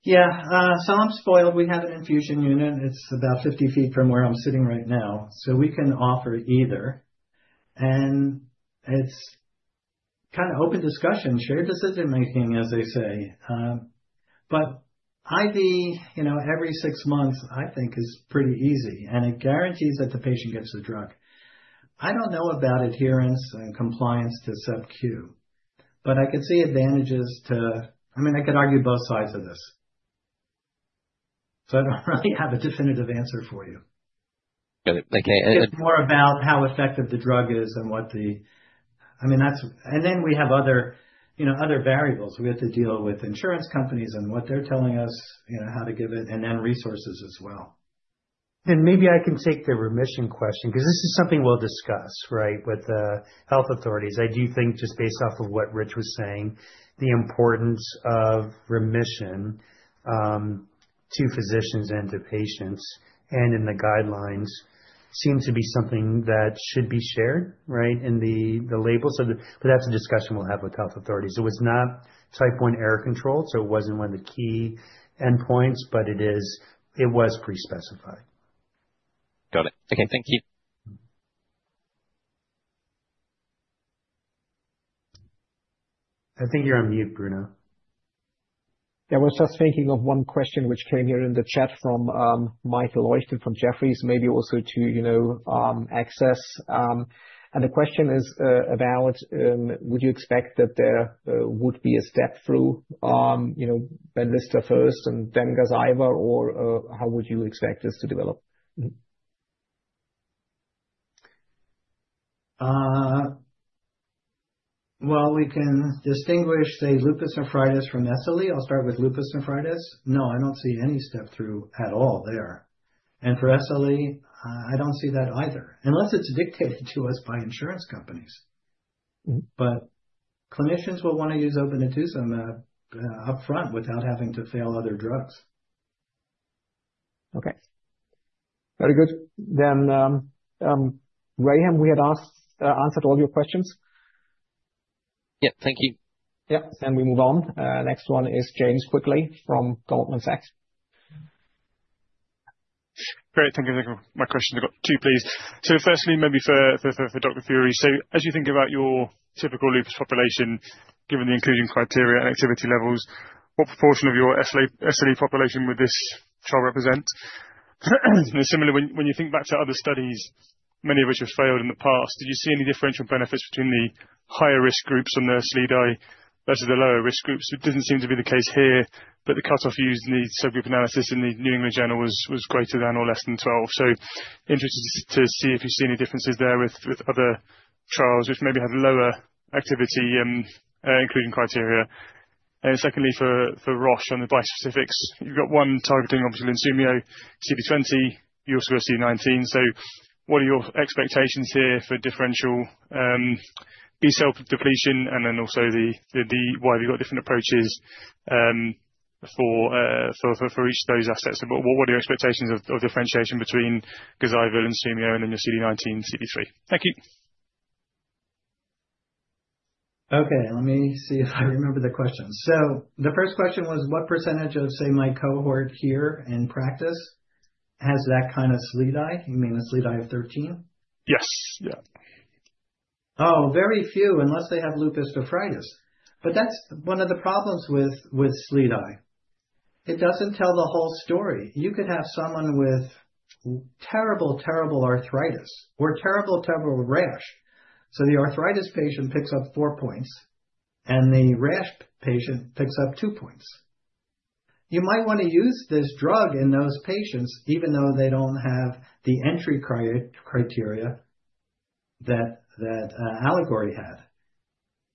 Yeah. I'm spoiled. We have an infusion unit. It's about 50 feet from where I'm sitting right now, so we can offer either. It's kinda open discussion, shared decision-making, as they say. IV, you know, every 6 months, I think is pretty easy, and it guarantees that the patient gets the drug. I don't know about adherence and compliance to sub-Q, but I could see advantages to. I could argue both sides of this. I don't really have a definitive answer for you. Got it. Okay. It's more about how effective the drug is. Then we have other, you know, other variables. We have to deal with insurance companies and what they're telling us, you know, how to give it, and then resources as well. Maybe I can take the remission question because this is something we'll discuss, right, with the health authorities. I do think just based off of what Rich was saying, the importance of remission, to physicians and to patients and in the guidelines seems to be something that should be shared, right, in the label. That's a discussion we'll have with health authorities. It was not type one error control, so it wasn't one of the key endpoints, but it was pre-specified. Got it. Okay. Thank you. I think you're on mute, Bruno. Yeah, I was just thinking of one question which came here in the chat from, Michael Leuchten from Jefferies, maybe also to, you know, access. The question is, about, would you expect that there would be a step through, you know, Benlysta first and then Gazyva, or, how would you expect this to develop? Well, we can distinguish, say, lupus nephritis from SLE. I'll start with lupus nephritis. No, I don't see any step through at all there. For SLE, I don't see that either unless it's dictated to us by insurance companies. Mm-hmm. Clinicians will want to use obinutuzumab upfront without having to fail other drugs. Okay. Very good. Graham, we had answered all of your questions? Yep. Thank you. Yep. We move on. Next one is James Quigley from Goldman Sachs. Great. Thank you. Thank you. My questions, I've got two, please. Firstly, maybe for Dr. Furie. As you think about your typical lupus population, given the inclusion criteria and activity levels, what proportion of your SLE population would this trial represent? Similarly, when you think back to other studies, many of which have failed in the past, did you see any differential benefits between the higher risk groups on the SLEDAI versus the lower risk groups? It didn't seem to be the case here, but the cutoff used in the subgroup analysis in the New England Journal was greater than or less than 12. Interested to see if you see any differences there with other trials which maybe have lower activity, including criteria. secondly, for Roche on the bispecifics, you've got one targeting obviously Lunsumio, CD20, you also have CD19. What are your expectations here for differential B-cell depletion and then also the Why have you got different approaches for each of those assets? What are your expectations of differentiation between Gazyva, Lunsumio and then the CD19/CD3? Thank you. Okay, let me see if I remember the question. The first question was what % of, say, my cohort here in practice has that kind of SLEDAI? You mean the SLEDAI of 13? Yes. Yeah. Very few, unless they have lupus nephritis. That's one of the problems with SLEDAI. It doesn't tell the whole story. You could have someone with terrible arthritis or terrible rash. The arthritis patient picks up 4 points and the rash patient picks up 2 points. You might want to use this drug in those patients even though they don't have the entry criteria that Allegory had.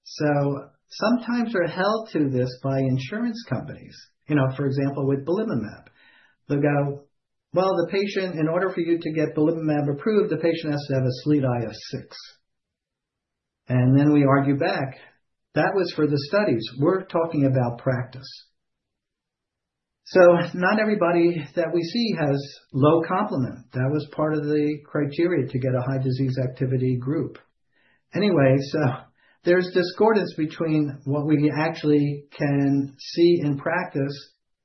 Sometimes we're held to this by insurance companies, you know, for example, with Belimumab. They'll go, "Well, the patient, in order for you to get Belimumab approved, the patient has to have a SLEDAI of 6." We argue back, "That was for the studies. We're talking about practice." Not everybody that we see has low complement. That was part of the criteria to get a high disease activity group. Anyway, there's discordance between what we actually can see in practice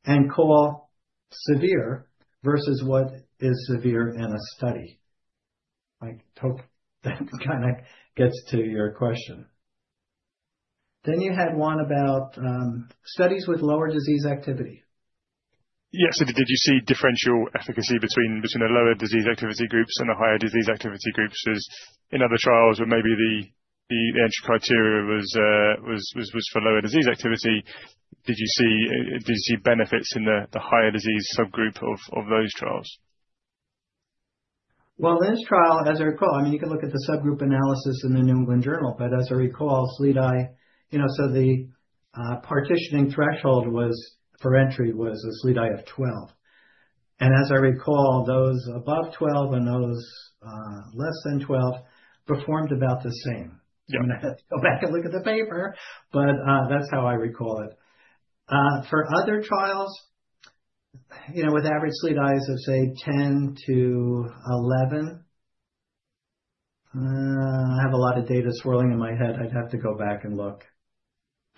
and call severe versus what is severe in a study. I hope that kinda gets to your question? You had one about studies with lower disease activity. Yes. Did you see differential efficacy between the lower disease activity groups and the higher disease activity groups as in other trials where maybe the entry criteria was for lower disease activity? Did you see benefits in the higher disease subgroup of those trials? Well, in this trial, as I recall, I mean, you can look at the subgroup analysis in the New England Journal, but as I recall, SLEDAI, you know, so the partitioning threshold was for entry was a SLEDAI of 12. As I recall, those above 12 and those less than 12 performed about the same. Yeah. Go back and look at the paper. That's how I recall it. For other trials, you know, with average SLEDAIs of, say, 10-11, I have a lot of data swirling in my head. I'd have to go back and look.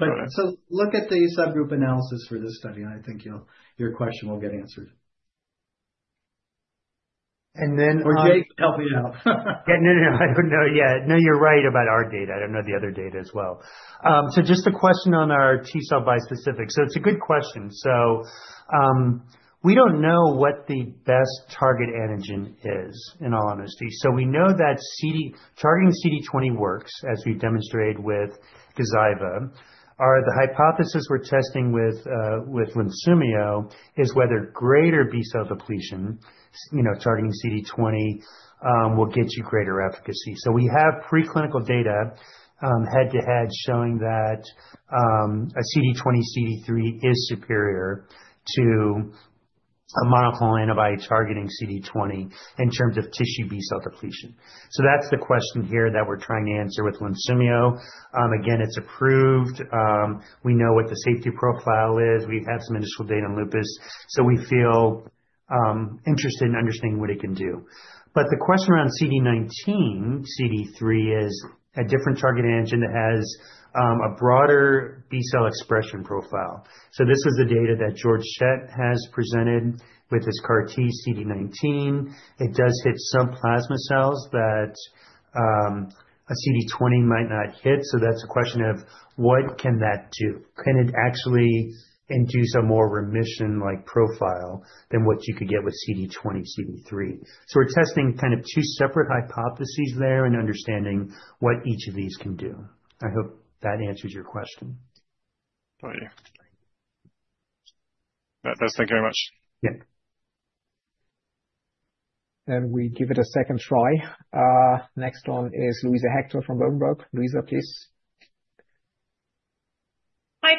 Okay. Look at the subgroup analysis for this study, and I think your question will get answered. And then, um- Jake can help you out. Yeah. No, no. I don't know yet. No, you're right about our data. I don't know the other data as well. Just a question on our T-cell bispecific. It's a good question. We don't know what the best target antigen is, in all honesty. We know that targeting CD20 works, as we've demonstrated with Gazyva. The hypothesis we're testing with Lunsumio is whether greater B-cell depletion, you know, targeting CD20, will get you greater efficacy. We have preclinical data head-to-head showing that a CD20/CD3 is superior to a monoclonal antibody targeting CD20 in terms of tissue B-cell depletion. That's the question here that we're trying to answer with Lunsumio. Again, it's approved. We know what the safety profile is. We have some initial data on lupus, we feel interested in understanding what it can do. The question around CD19, CD3 is a different target antigen that has a broader B-cell expression profile. This is the data that Georg Schett has presented with his CAR T CD19. It does hit some plasma cells that a CD20 might not hit, that's a question of what can that do? Can it actually induce a more remission-like profile than what you could get with CD20/CD3? We're testing kind of two separate hypotheses there and understanding what each of these can do. I hope that answers your question. Oh, yeah. That does. Thank you very much. Yeah. We give it a second try. Next one is Louisa Hector from Berenberg. Louisa, please.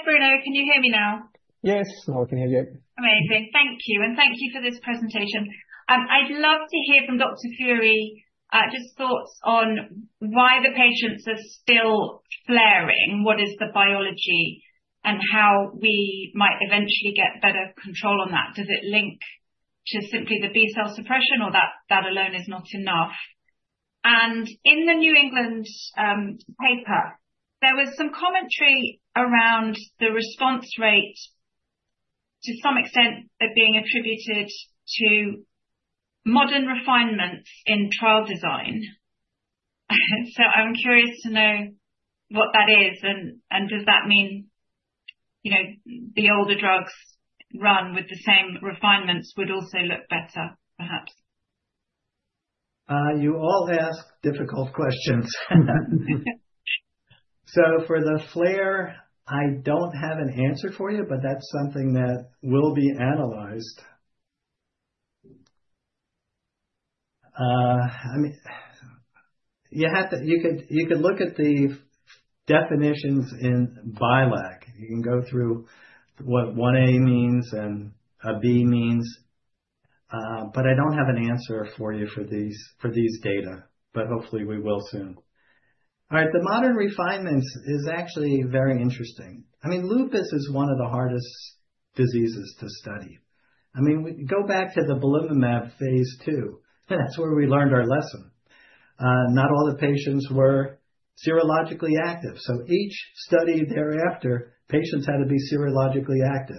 Bruno, can you hear me now? Yes. Now I can hear you. Amazing. Thank you. Thank you for this presentation. I'd love to hear from Dr. Furie, just thoughts on why the patients are still flaring, what is the biology, and how we might eventually get better control on that. Does it link to simply the B-cell suppression or that alone is not enough? In the New England paper, there was some commentary around the response rate to some extent of being attributed to modern refinements in trial design. I'm curious to know what that is. Does that mean, you know, the older drugs run with the same refinements would also look better, perhaps? You all ask difficult questions. For the flare, I don't have an answer for you, but that's something that will be analyzed. I mean, you could look at the definitions in BILAG. You can go through what one A means and a B means. I don't have an answer for you for these data, but hopefully we will soon. All right. The modern refinements is actually very interesting. I mean, lupus is one of the hardest diseases to study. I mean, we go back to the Belimumab Phase. That's where we learned our lesson. Not all the patients were serologically active. Each study thereafter, patients had to be serologically active.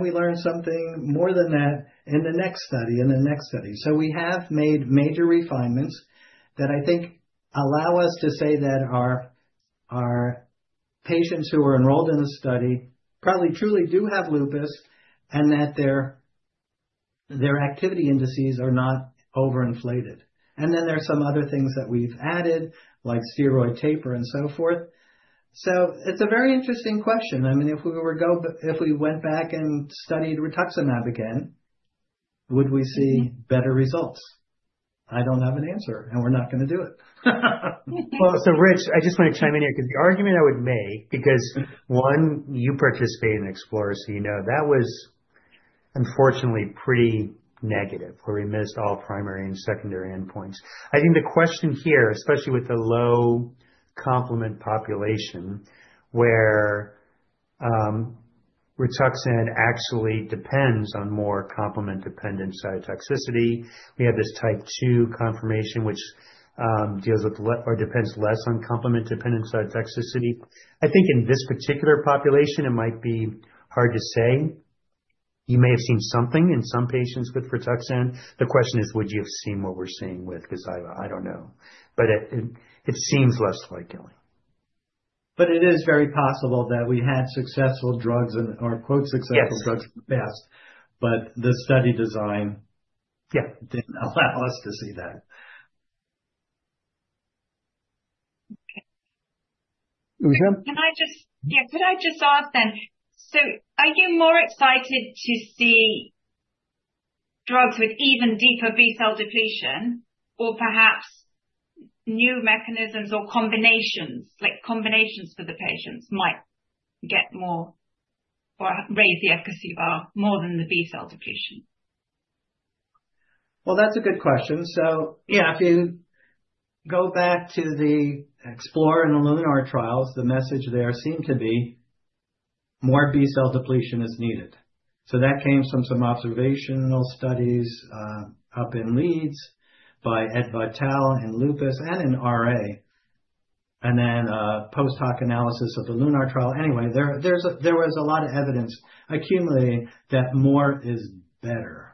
We learned something more than that in the next study. We have made major refinements that I think allow us to say that our patients who are enrolled in the study probably truly do have lupus and that their activity indices are not overinflated. Then there are some other things that we've added, like steroid taper and so forth. It's a very interesting question. I mean, if we went back and studied Rituximab again, would we see better results? I don't have an answer, and we're not going to do it. Rich, I just want to chime in here, because the argument I would make, because, one, you participate in EXPLORER, you know, that was unfortunately pretty negative, where we missed all primary and secondary endpoints. I think the question here, especially with the low complement population where Rituxan actually depends on more complement-dependent cytotoxicity. We have this Type II conformation which deals with or depends less on complement-dependent cytotoxicity. I think in this particular population it might be hard to say. You may have seen something in some patients with Rituxan. The question is, would you have seen what we're seeing with. 'cause I don't know. It seems less likely. It is very possible that we had successful drugs or quote successful drugs. Yes. in the past. The study design. Yeah. Didn't allow us to see that. Michelle? Could I just ask then? Are you more excited to see drugs with even deeper B-cell depletion or perhaps new mechanisms or combinations, like combinations for the patients might get more or raise the efficacy bar more than the B-cell depletion? Well, that's a good question. Yeah, if you go back to the EXPLORER and the LUNAR trials, the message there seemed to be more B-cell depletion is needed. That came from some observational studies up in Leeds by Edward Vital in Lupus and in RA, and then a post-hoc analysis of the LUNAR trial. Anyway, there was a lot of evidence accumulating that more is better.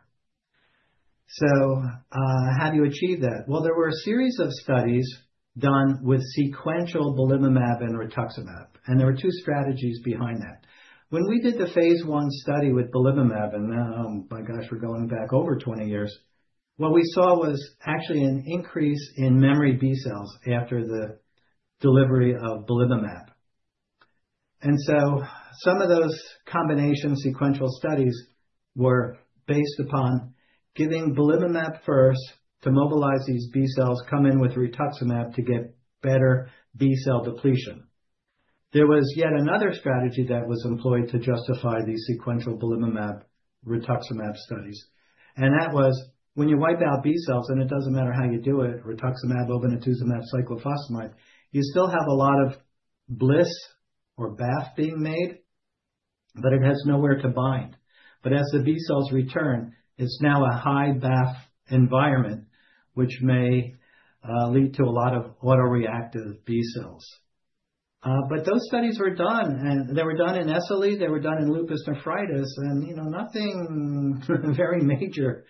How do you achieve that? Well, there were a series of studies done with sequential belimumab and rituximab, and there were two strategies behind that. When we did the Phase I study with belimumab and, my gosh, we're going back over 20 years. What we saw was actually an increase in memory B-cells after the delivery of belimumab. Some of those combination sequential studies were based upon giving Belimumab first to mobilize these B-cells, come in with Rituximab to get better B-cell depletion. There was yet another strategy that was employed to justify the sequential Belimumab/Rituximab studies. That was when you wipe out B-cells, and it doesn't matter how you do it, Rituximab, Obinutuzumab, Cyclophosphamide, you still have a lot of BLyS or BAFF being made, but it has nowhere to bind. As the B-cells return, it's now a high BAFF environment, which may lead to a lot of autoreactive B-cells. Those studies were done, and they were done in SLE, they were done in lupus nephritis, and, you know, nothing very major.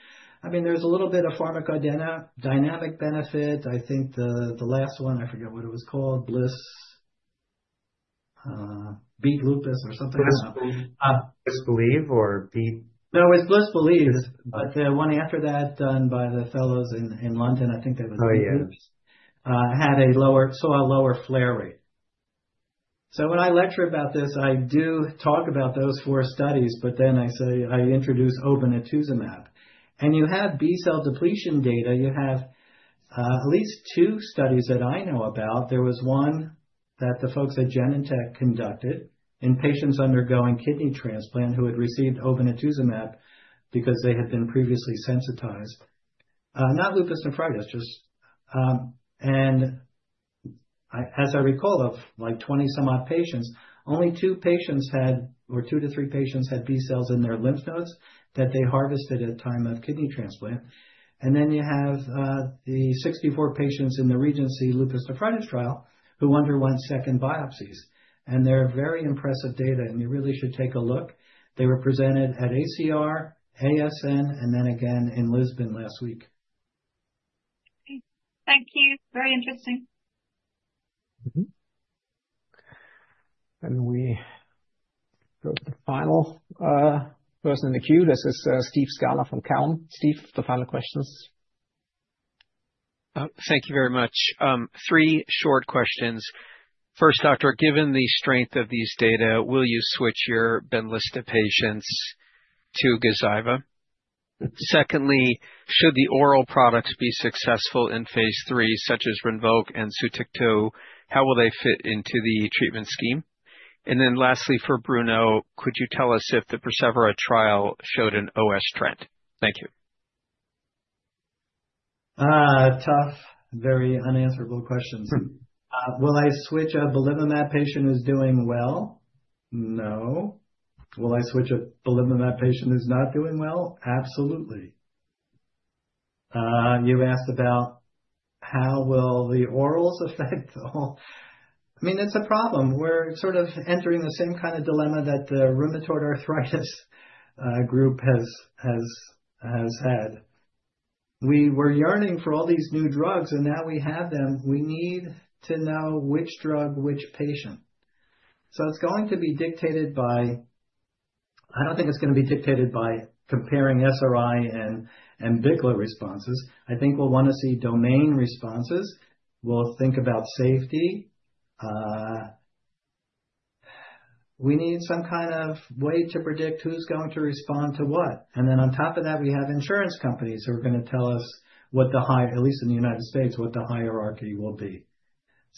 I mean, there was a little bit of pharmacodynamic benefit. I think the last one, I forget what it was called, BLyS, B Lupus or something like that. BLISS-BELIEVE. No, it was BLISS-BELIEVE. The one after that done by the fellows in London, I think they were the leaders. Oh, yeah. saw a lower flare rate. When I lecture about this, I do talk about those four studies, I say I introduce obinutuzumab. You have B-cell depletion data. You have at least two studies that I know about. There was one that the folks at Genentech conducted in patients undergoing kidney transplant who had received obinutuzumab because they had been previously sensitized. Not lupus nephritis, just as I recall, of like 20 some odd patients, only 2 patients had, or 2-3 patients had B-cells in their lymph nodes that they harvested at time of kidney transplant. Then you have the 64 patients in the REGENCY lupus nephritis trial who underwent second biopsies. They're very impressive data, and you really should take a look. They were presented at ACR, ASN, and then again in Lisbon last week. Okay. Thank you. Very interesting. We go to the final person in the queue. This is Steve Scala from Cowen. Steve, the final questions. Thank you very much. 3 short questions. First, Doctor, given the strength of these data, will you switch your Benlysta patients to Gazyva? Secondly, should the oral products be successful in Phase III, such as Rinvoq and Sotyktu, how will they fit into the treatment scheme? Lastly, for Bruno, could you tell us if the PERSEVERA trial showed an OS trend? Thank you. Tough, very unanswerable questions. Mm-hmm. Will I switch a belimumab patient who's doing well? No. Will I switch a belimumab patient who's not doing well? Absolutely. You asked about how will the orals affect the whole. I mean, it's a problem. We're sort of entering the same kind of dilemma that the rheumatoid arthritis group has had. We were yearning for all these new drugs, now we have them. We need to know which drug, which patient. It's going to be dictated by. I don't think it's going to be dictated by comparing SRI and BICLA responses. I think we'll want to see domain responses. We'll think about safety. We need some kind of way to predict who's going to respond to what. On top of that, we have insurance companies who are going to tell us what the high, at least in the United States, what the hierarchy will be.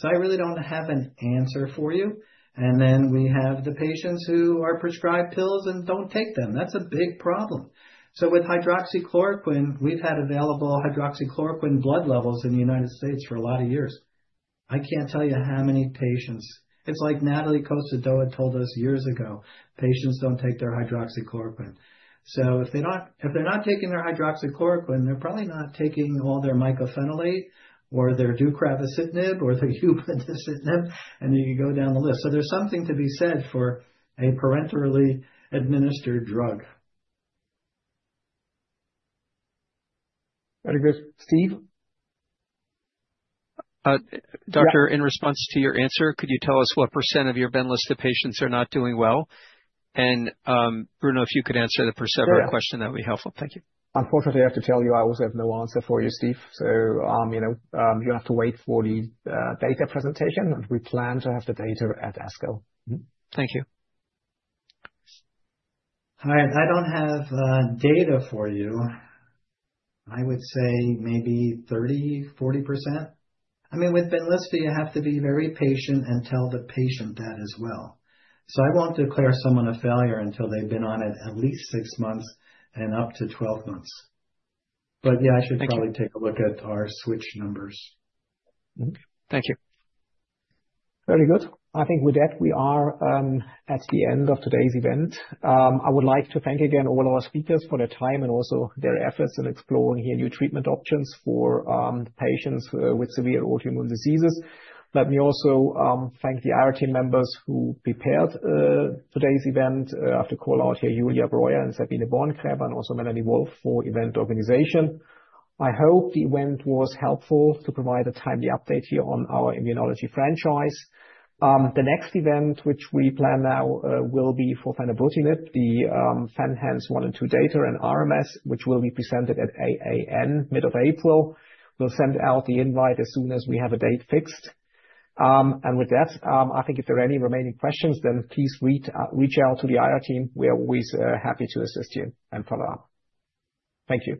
I really don't have an answer for you. We have the patients who are prescribed pills and don't take them. That's a big problem. With hydroxychloroquine, we've had available hydroxychloroquine blood levels in the United States for a lot of years. I can't tell you how many patients. Nathalie Costedoat-Chalumeau had told us years ago, patients don't take their hydroxychloroquine. If they're not taking their hydroxychloroquine, they're probably not taking all their mycophenolate or their deucravacitinib or their upadacitinib, and you go down the list. There's something to be said for a parenterally administered drug. Very good. Steve? doctor, in response to your answer, could you tell us what % of your Benlysta patients are not doing well? Bruno, if you could answer the persevERA question, that'd be helpful. Thank you. Unfortunately, I have to tell you I also have no answer for you, Steve. You know, you have to wait for the data presentation, and we plan to have the data at ASCO. Thank you. I don't have data for you. I would say maybe 30%, 40%. I mean, with Benlysta, you have to be very patient and tell the patient that as well. I won't declare someone a failure until they've been on it at least 6 months and up to 12 months. Yeah. Thank you. I should probably take a look at our switch numbers. Thank you. Very good. I think with that, we are at the end of today's event. I would like to thank again all our speakers for their time and also their efforts in exploring here new treatment options for patients with severe autoimmune diseases. Let me also thank the IR team members who prepared today's event. I have to call out here Julia Breuer and Sabine Borngräber and also Melanie Wolf for event organization. I hope the event was helpful to provide a timely update here on our immunology franchise. The next event which we plan now will be for fenebrutinib, the FENhance 1 and FENhance 2 data and RMS, which will be presented at AAN, mid of April. We'll send out the invite as soon as we have a date fixed. With that, I think if there are any remaining questions, then please read, reach out to the IR team. We are always, happy to assist you and follow up. Thank you.